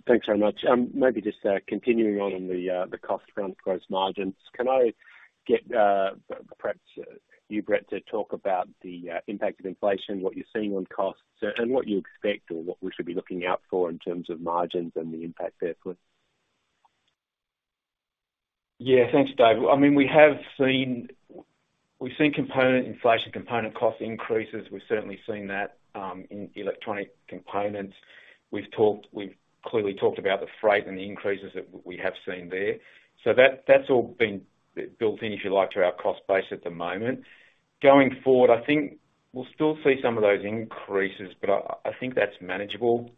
Thanks very much. Maybe just continuing on the cost around gross margins. Can I get perhaps you, Brett, to talk about the impact of inflation, what you're seeing on costs and what you expect or what we should be looking out for in terms of margins and the impact there please? Yeah. Thanks, Dave. I mean, we have seen component inflation, component cost increases. We've certainly seen that in electronic components. We've clearly talked about the freight and the increases that we have seen there. That's all been built in, if you like, to our cost base at the moment. Going forward, I think we'll still see some of those increases, but I think that's manageable.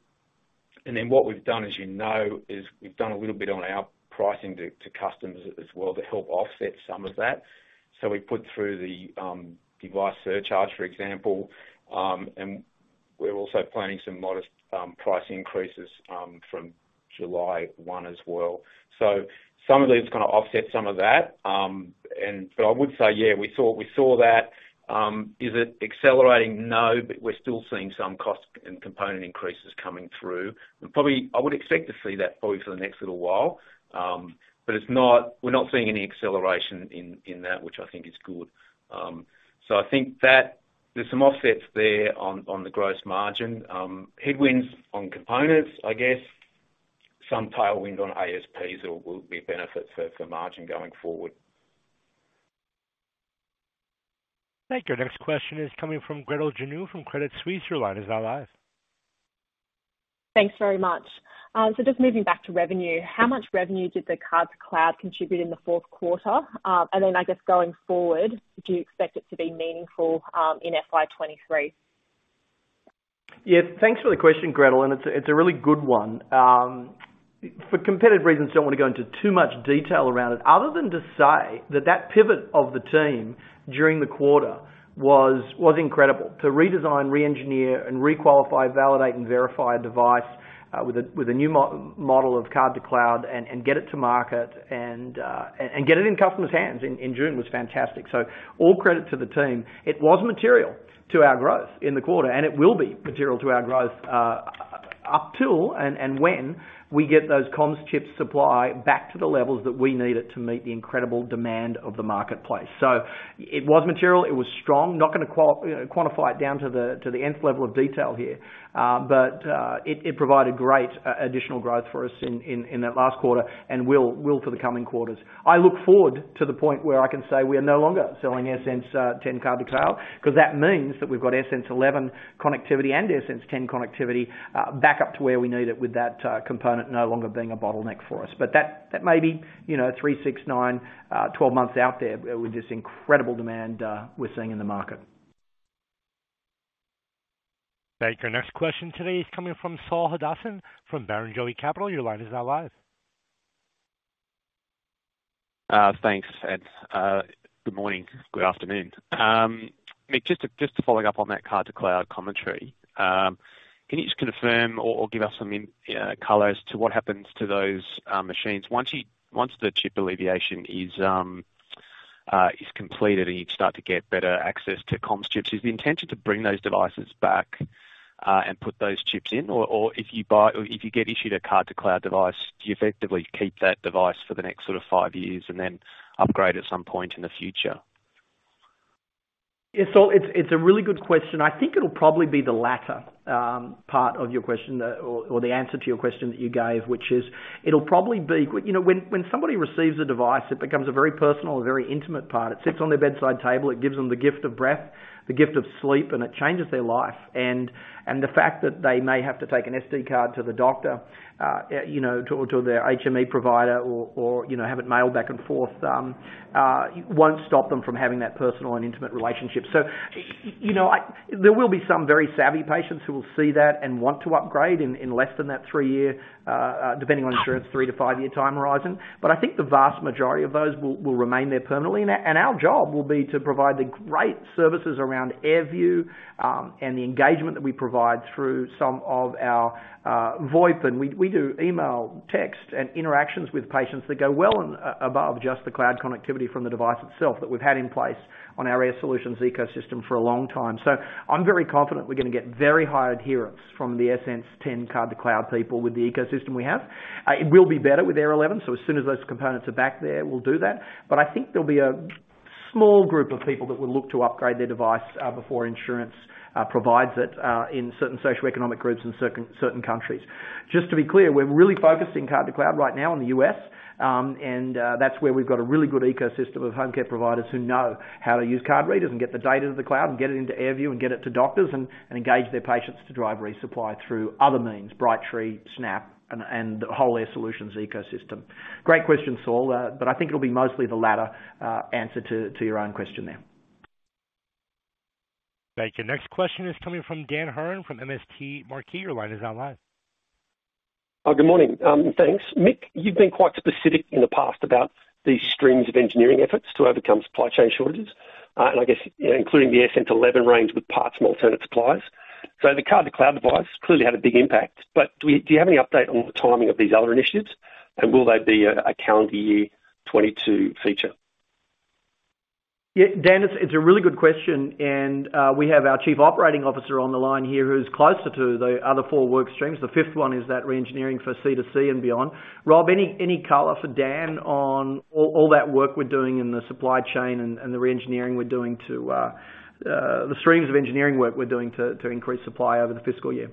Then what we've done, as you know, is we've done a little bit on our pricing to customers as well to help offset some of that. We put through the device surcharge, for example, and we're also planning some modest price increases from July one as well. Some of these kinda offset some of that. But I would say, yeah, we saw that. Is it accelerating? No, but we're still seeing some cost and component increases coming through. Probably, I would expect to see that probably for the next little while. It's not, we're not seeing any acceleration in that, which I think is good. I think that there's some offsets there on the gross margin. Headwinds on components, I guess. Some tailwind on ASPs will be a benefit for margin going forward. Thank you. Our next question is coming from Gretel Janu from Credit Suisse. Your line is now live. Thanks very much. So just moving back to revenue, how much revenue did the card-to-cloud contribute in the fourth quarter? And then I guess going forward, do you expect it to be meaningful in FY 2023? Yeah. Thanks for the question, Gretel, and it's a really good one. For competitive reasons, don't want to go into too much detail around it other than to say that that pivot of the team during the quarter was incredible. To redesign, re-engineer, and re-qualify, validate, and verify a device with a new model of card-to-cloud and get it to market and get it in customers' hands in June was fantastic. All credit to the team. It was material to our growth in the quarter, and it will be material to our growth up till and when we get those comms chips supply back to the levels that we need it to meet the incredible demand of the marketplace. It was material. It was strong. Not gonna quantify you know, it down to the nth level of detail here. It provided great additional growth for us in that last quarter and will for the coming quarters. I look forward to the point where I can say we are no longer selling AirSense 10 card-to-cloud, 'cause that means that we've got AirSense 11 connectivity and AirSense 10 connectivity back up to where we need it with that component no longer being a bottleneck for us. That may be, you know, three, six, 9nine 12 months out there with this incredible demand we're seeing in the market. Thank you. Our next question today is coming from Saul Hadassin from Barrenjoey Capital. Your line is now live. Thanks, good morning, good afternoon. Mick, just to follow up on that card-to-cloud commentary. Can you just confirm or give us some color as to what happens to those machines once the chip allocation is completed, and you start to get better access to comms chips. Is the intention to bring those devices back and put those chips in? If you get issued a card-to-cloud device, do you effectively keep that device for the next sort of five years and then upgrade at some point in the future? Yeah, Saul, it's a really good question. I think it'll probably be the latter part of your question or the answer to your question that you gave, which is it'll probably be. You know, when somebody receives a device, it becomes a very personal and very intimate part. It sits on their bedside table, it gives them the gift of breath, the gift of sleep, and it changes their life. The fact that they may have to take an SD card to the doctor, you know, to their HME provider or, you know, have it mailed back and forth won't stop them from having that personal and intimate relationship. You know, there will be some very savvy patients who will see that and want to upgrade in less than that three-year, depending on insurance, three- to five-year time horizon. I think the vast majority of those will remain there permanently. Our job will be to provide the great services around AirView and the engagement that we provide through some of our IVR. We do email, text, and interactions with patients that go well and above just the cloud connectivity from the device itself that we've had in place on our Air Solutions ecosystem for a long time. I'm very confident we're gonna get very high adherence from the AirSense 10 card-to-cloud people with the ecosystem we have. It will be better with Air 11. As soon as those components are back there, we'll do that. I think there'll be a small group of people that will look to upgrade their device before insurance provides it in certain socioeconomic groups, in certain countries. Just to be clear, we're really focused in card-to-cloud right now in the U.S., and that's where we've got a really good ecosystem of home care providers who know how to use card readers and get the data to the cloud and get it into AirView and get it to doctors and engage their patients to drive resupply through other means, Brightree, Snap, and the whole Air Solutions ecosystem. Great question, Saul, but I think it'll be mostly the latter answer to your own question there. Thank you. Next question is coming from Dan Hurren from MST Marquee. Your line is now live. Oh, good morning. Thanks. Mick, you've been quite specific in the past about these streams of engineering efforts to overcome supply chain shortages, and I guess, you know, including the AirSense 11 range with parts from alternate suppliers. The card-to-cloud device clearly had a big impact. Do you have any update on the timing of these other initiatives? Will they be a calendar year 2022 feature? Yeah. Dan, it's a really good question, and we have our Chief Operating Officer on the line here who's closer to the other four work streams. The fifth one is that re-engineering for C2C and beyond. Rob, any color for Dan on all that work we're doing in the supply chain and the re-engineering we're doing to the streams of engineering work we're doing to increase supply over the fiscal year?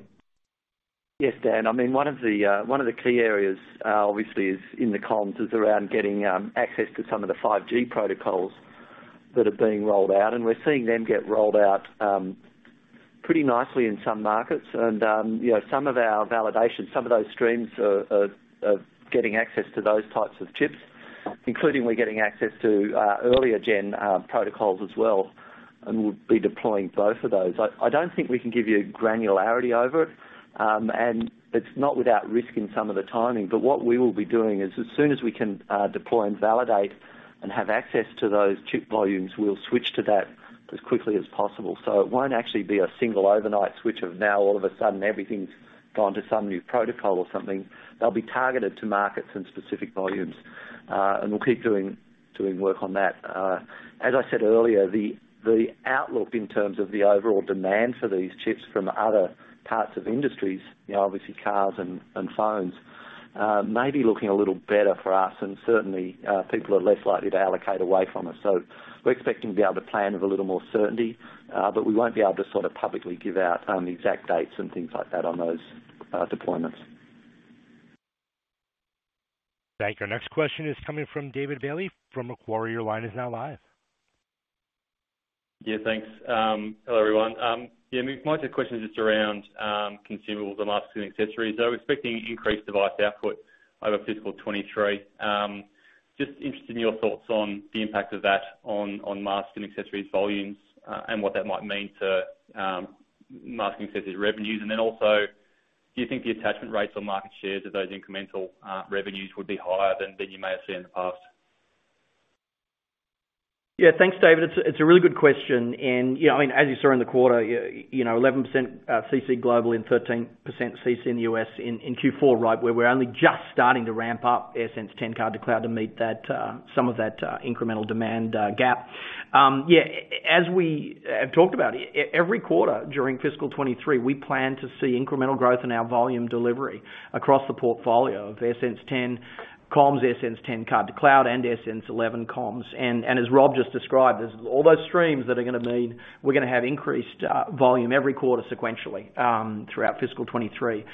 Yes, Dan. I mean, one of the key areas obviously is in the comms, is around getting access to some of the 5G protocols that are being rolled out, and we're seeing them get rolled out pretty nicely in some markets. You know, some of our validation, some of those streams are getting access to those types of chips, including we're getting access to earlier gen protocols as well, and we'll be deploying both of those. I don't think we can give you granularity over it, and it's not without risk in some of the timing. What we will be doing is as soon as we can deploy and validate and have access to those chip volumes, we'll switch to that as quickly as possible. It won't actually be a single overnight switch of now all of a sudden everything's gone to some new protocol or something. They'll be targeted to markets and specific volumes, and we'll keep doing work on that. As I said earlier, the outlook in terms of the overall demand for these chips from other parts of industries, you know, obviously cars and phones, may be looking a little better for us, and certainly people are less likely to allocate away from us. We're expecting to be able to plan with a little more certainty, but we won't be able to sort of publicly give out exact dates and things like that on those deployments. Thank you. Our next question is coming from David Bailey from Macquarie. Your line is now live. Yeah, thanks. Hello, everyone. Yeah, Mick, my question is just around consumables and masks and accessories. We're expecting increased device output over fiscal 2023. Just interested in your thoughts on the impact of that on masks and accessories volumes, and what that might mean to masks and accessories revenues. Then also, do you think the attachment rates or market shares of those incremental revenues would be higher than you may have seen in the past? Yeah. Thanks, David. It's a really good question. You know, I mean, as you saw in the quarter, you know, 11% CC global and 13% CC in the U.S. in Q4, right, where we're only just starting to ramp up AirSense 10 card-to-cloud to meet that, some of that, incremental demand gap. Yeah, as we have talked about, every quarter during fiscal 2023, we plan to see incremental growth in our volume delivery across the portfolio of AirSense 10 comms, AirSense 10 card-to-cloud and AirSense 11 comms. As Rob just described, there's all those streams that are gonna mean we're gonna have increased volume every quarter sequentially throughout fiscal 2023.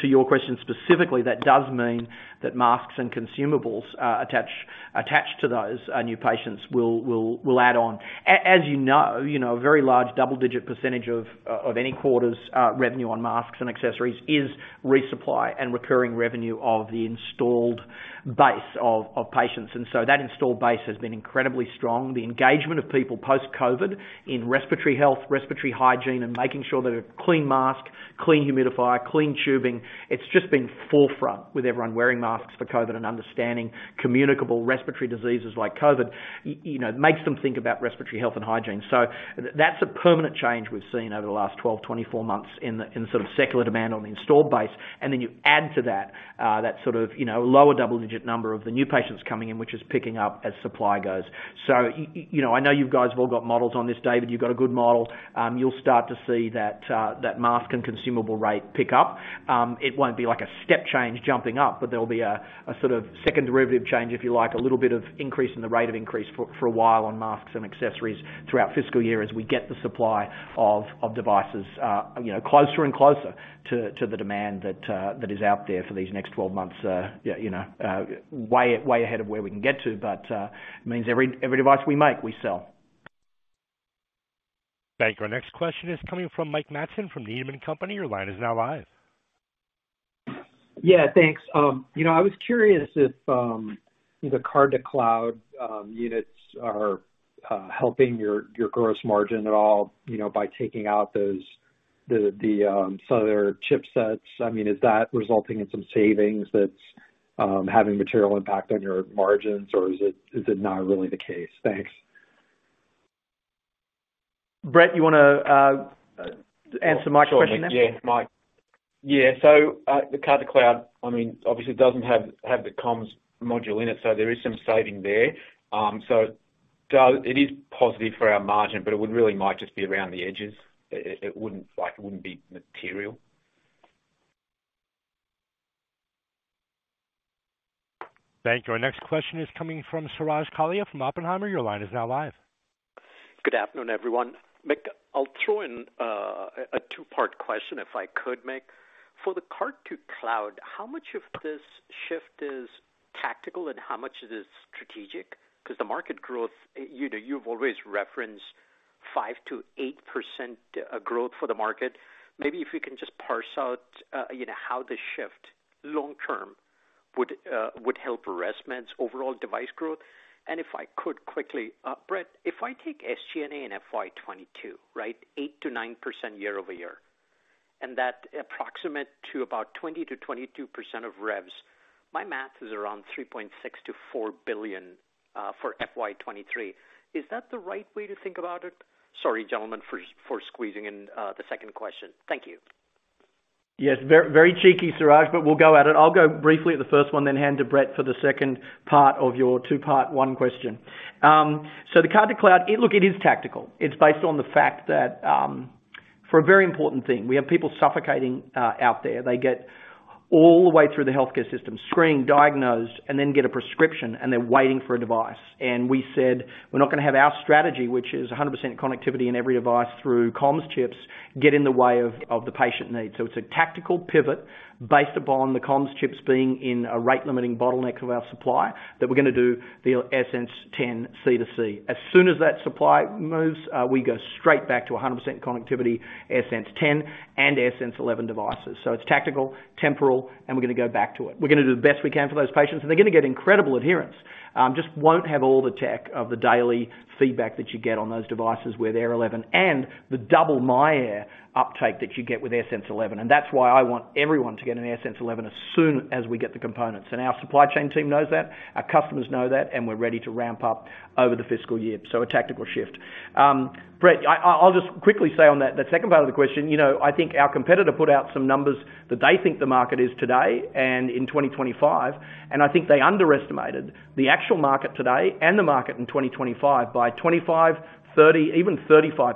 To your question specifically, that does mean that masks and consumables attached to those new patients will add on. As you know, you know, a very large double-digit percentage of any quarter's revenue on masks and accessories is resupply and recurring revenue of the installed base of patients. That installed base has been incredibly strong. The engagement of people post-COVID in respiratory health, respiratory hygiene, and making sure that a clean mask, clean humidifier, clean tubing, it's just been forefront with everyone wearing masks for COVID and understanding communicable respiratory diseases like COVID, you know, makes them think about respiratory health and hygiene. That's a permanent change we've seen over the last 12 to 24 months in the sort of secular demand on the installed base. You add to that sort of, you know, lower double-digit number of the new patients coming in, which is picking up as supply goes. You know, I know you guys have all got models on this. David, you've got a good model. You'll start to see that mask and consumable rate pick up. It won't be like a step change jumping up, but there'll be a sort of second derivative change, if you like, a little bit of increase in the rate of increase for a while on masks and accessories throughout fiscal year as we get the supply of devices, you know, closer and closer to the demand that is out there for these next 12 months. You know, way ahead of where we can get to. It means every device we make, we sell. Thank you. Our next question is coming from Mike Matson from Needham & Company. Your line is now live. Yeah, thanks. You know, I was curious if the card-to-cloud units are helping your gross margin at all, you know, by taking out some of their chipsets. I mean, is that resulting in some savings that's having material impact on your margins, or is it not really the case? Thanks. Brett, you wanna answer Mike's question there? Sure, Mick. Yeah, Mike. Yeah. The card-to-cloud, I mean, obviously doesn't have the comms module in it, so there is some saving there. Though it is positive for our margin, but it would really might just be around the edges. It wouldn't, like, be material. Thank you. Our next question is coming from Suraj Kalia from Oppenheimer. Your line is now live. Good afternoon, everyone. Mick, I'll throw in a two-part question, if I could, Mick. For the card-to-cloud, how much of this shift is tactical and how much it is strategic? 'Cause the market growth, you know, you've always referenced 5%-8% growth for the market. Maybe if you can just parse out, you know, how the shift long term would help ResMed's overall device growth. If I could quickly, Brett, if I take SG&A in FY 2022, right, 8%-9% year-over-year, and that approximate to about 20%-22% of revs, my math is around $3.6 billion-$4 billion for FY 2023. Is that the right way to think about it? Sorry, gentlemen, for squeezing in the second question. Thank you. Yes, very cheeky, Suraj, but we'll go at it. I'll go briefly at the first one, then hand to Brett for the second part of your two-part one question. The card-to-cloud, look, it is tactical. It's based on the fact that, for a very important thing. We have people suffocating, out there. They get all the way through the healthcare system, screened, diagnosed, and then get a prescription, and they're waiting for a device. We said, "We're not gonna have our strategy, which is 100% connectivity in every device through comms chips, get in the way of the patient needs." It's a tactical pivot based upon the comms chips being in a rate-limiting bottleneck of our supply that we're gonna do the AirSense 10 C2C. As soon as that supply moves, we go straight back to 100% connectivity, AirSense 10 and AirSense 11 devices. It's tactical, temporal, and we're gonna go back to it. We're gonna do the best we can for those patients, and they're gonna get incredible adherence. Just won't have all the tech of the daily feedback that you get on those devices with AirSense 11 and the double myAir uptake that you get with AirSense 11. That's why I want everyone to get an AirSense 11 as soon as we get the components. Our supply chain team knows that, our customers know that, and we're ready to ramp up over the fiscal year. A tactical shift. Brett, I'll just quickly say on that, the second part of the question, you know, I think our competitor put out some numbers that they think the market is today and in 2025, and I think they underestimated the actual market today and the market in 2025 by 25%, 30%, even 35%.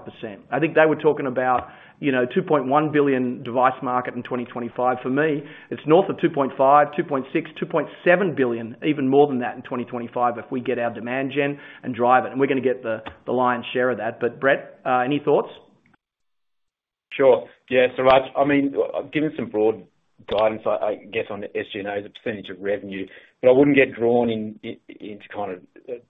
I think they were talking about, you know, $2.1 billion device market in 2025. For me, it's north of $2.5, $2.6, $2.7 billion, even more than that in 2025 if we get our demand gen and drive it. We're gonna get the lion's share of that. Brett, any thoughts? Sure. Yeah, Suraj. I mean, given some broad guidance, I guess, on the SG&A as a percentage of revenue, but I wouldn't get drawn in, into kind of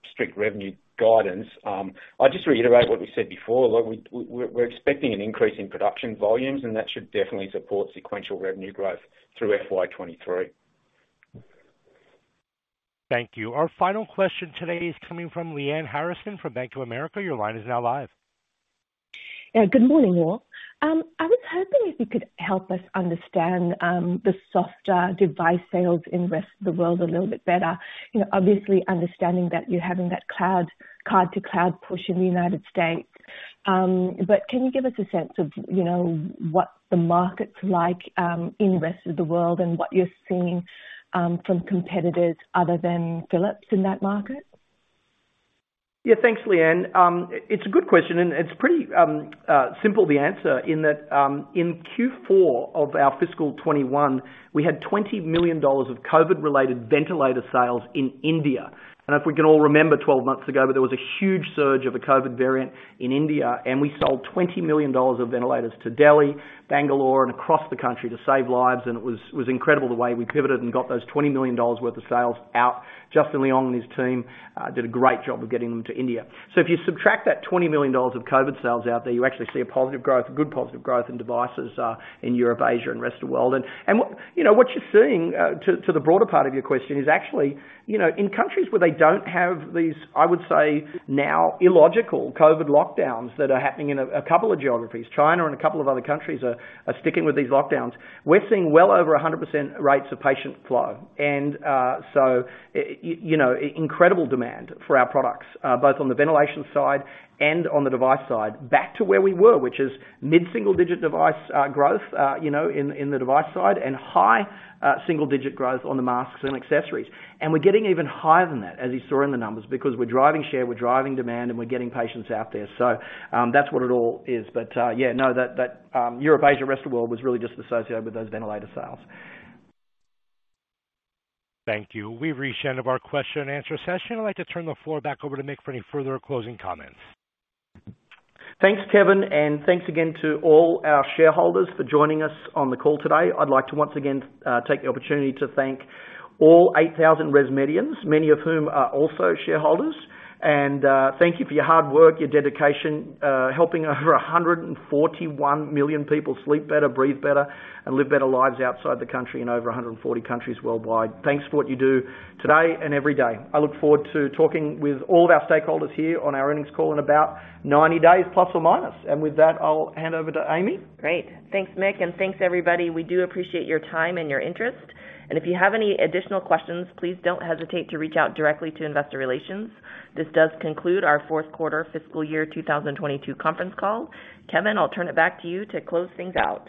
strict revenue guidance. I'll just reiterate what we said before. Look, we're expecting an increase in production volumes, and that should definitely support sequential revenue growth through FY 2023. Thank you. Our final question today is coming from Lyanne Harrison from Bank of America. Your line is now live. Yeah. Good morning, all. I was hoping if you could help us understand the softer device sales in rest of the world a little bit better. You know, obviously understanding that you're having that cloud, card-to-cloud push in the United States. But can you give us a sense of, you know, what the market's like in rest of the world and what you're seeing from competitors other than Philips in that market? Yeah, thanks, Lyanne. It's a good question, and it's pretty simple, the answer. In Q4 of our fiscal 2021, we had $20 million of COVID-related ventilator sales in India. If we can all remember twelve months ago, but there was a huge surge of a COVID variant in India, and we sold $20 million of ventilators to Delhi, Bangalore, and across the country to save lives. It was incredible the way we pivoted and got those $20 million worth of sales out. Justin Leong and his team did a great job of getting them to India. If you subtract that $20 million of COVID sales out there, you actually see a positive growth, good positive growth in devices, in Europe, Asia, and rest of the world. What you're seeing to the broader part of your question is actually you know in countries where they don't have these, I would say now illogical COVID lockdowns that are happening in a couple of geographies. China and a couple of other countries are sticking with these lockdowns. We're seeing well over 100% rates of patient flow. You know incredible demand for our products both on the ventilation side and on the device side, back to where we were, which is mid-single digit device growth you know in the device side, and high single digit growth on the masks and accessories. We're getting even higher than that, as you saw in the numbers, because we're driving share, we're driving demand, and we're getting patients out there. That's what it all is. Yeah, no, that Europe, Asia, rest of the world was really just associated with those ventilator sales. Thank you. We've reached the end of our question and answer session. I'd like to turn the floor back over to Mick for any further closing comments. Thanks, Kevin, and thanks again to all our shareholders for joining us on the call today. I'd like to once again take the opportunity to thank all 8,000 ResMedians, many of whom are also shareholders. Thank you for your hard work, your dedication, helping over 141 million people sleep better, breathe better, and live better lives outside the country in over 140 countries worldwide. Thanks for what you do today and every day. I look forward to talking with all of our stakeholders here on our earnings call in about 90 days, plus or minus. With that, I'll hand over to Amy. Great. Thanks, Mick, and thanks everybody. We do appreciate your time and your interest. If you have any additional questions, please don't hesitate to reach out directly to investor relations. This does conclude our fourth quarter fiscal year 2022 conference call. Kevin, I'll turn it back to you to close things out.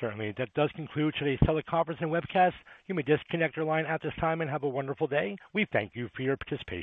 Certainly. That does conclude today's teleconference and webcast. You may disconnect your line at this time and have a wonderful day. We thank you for your participation.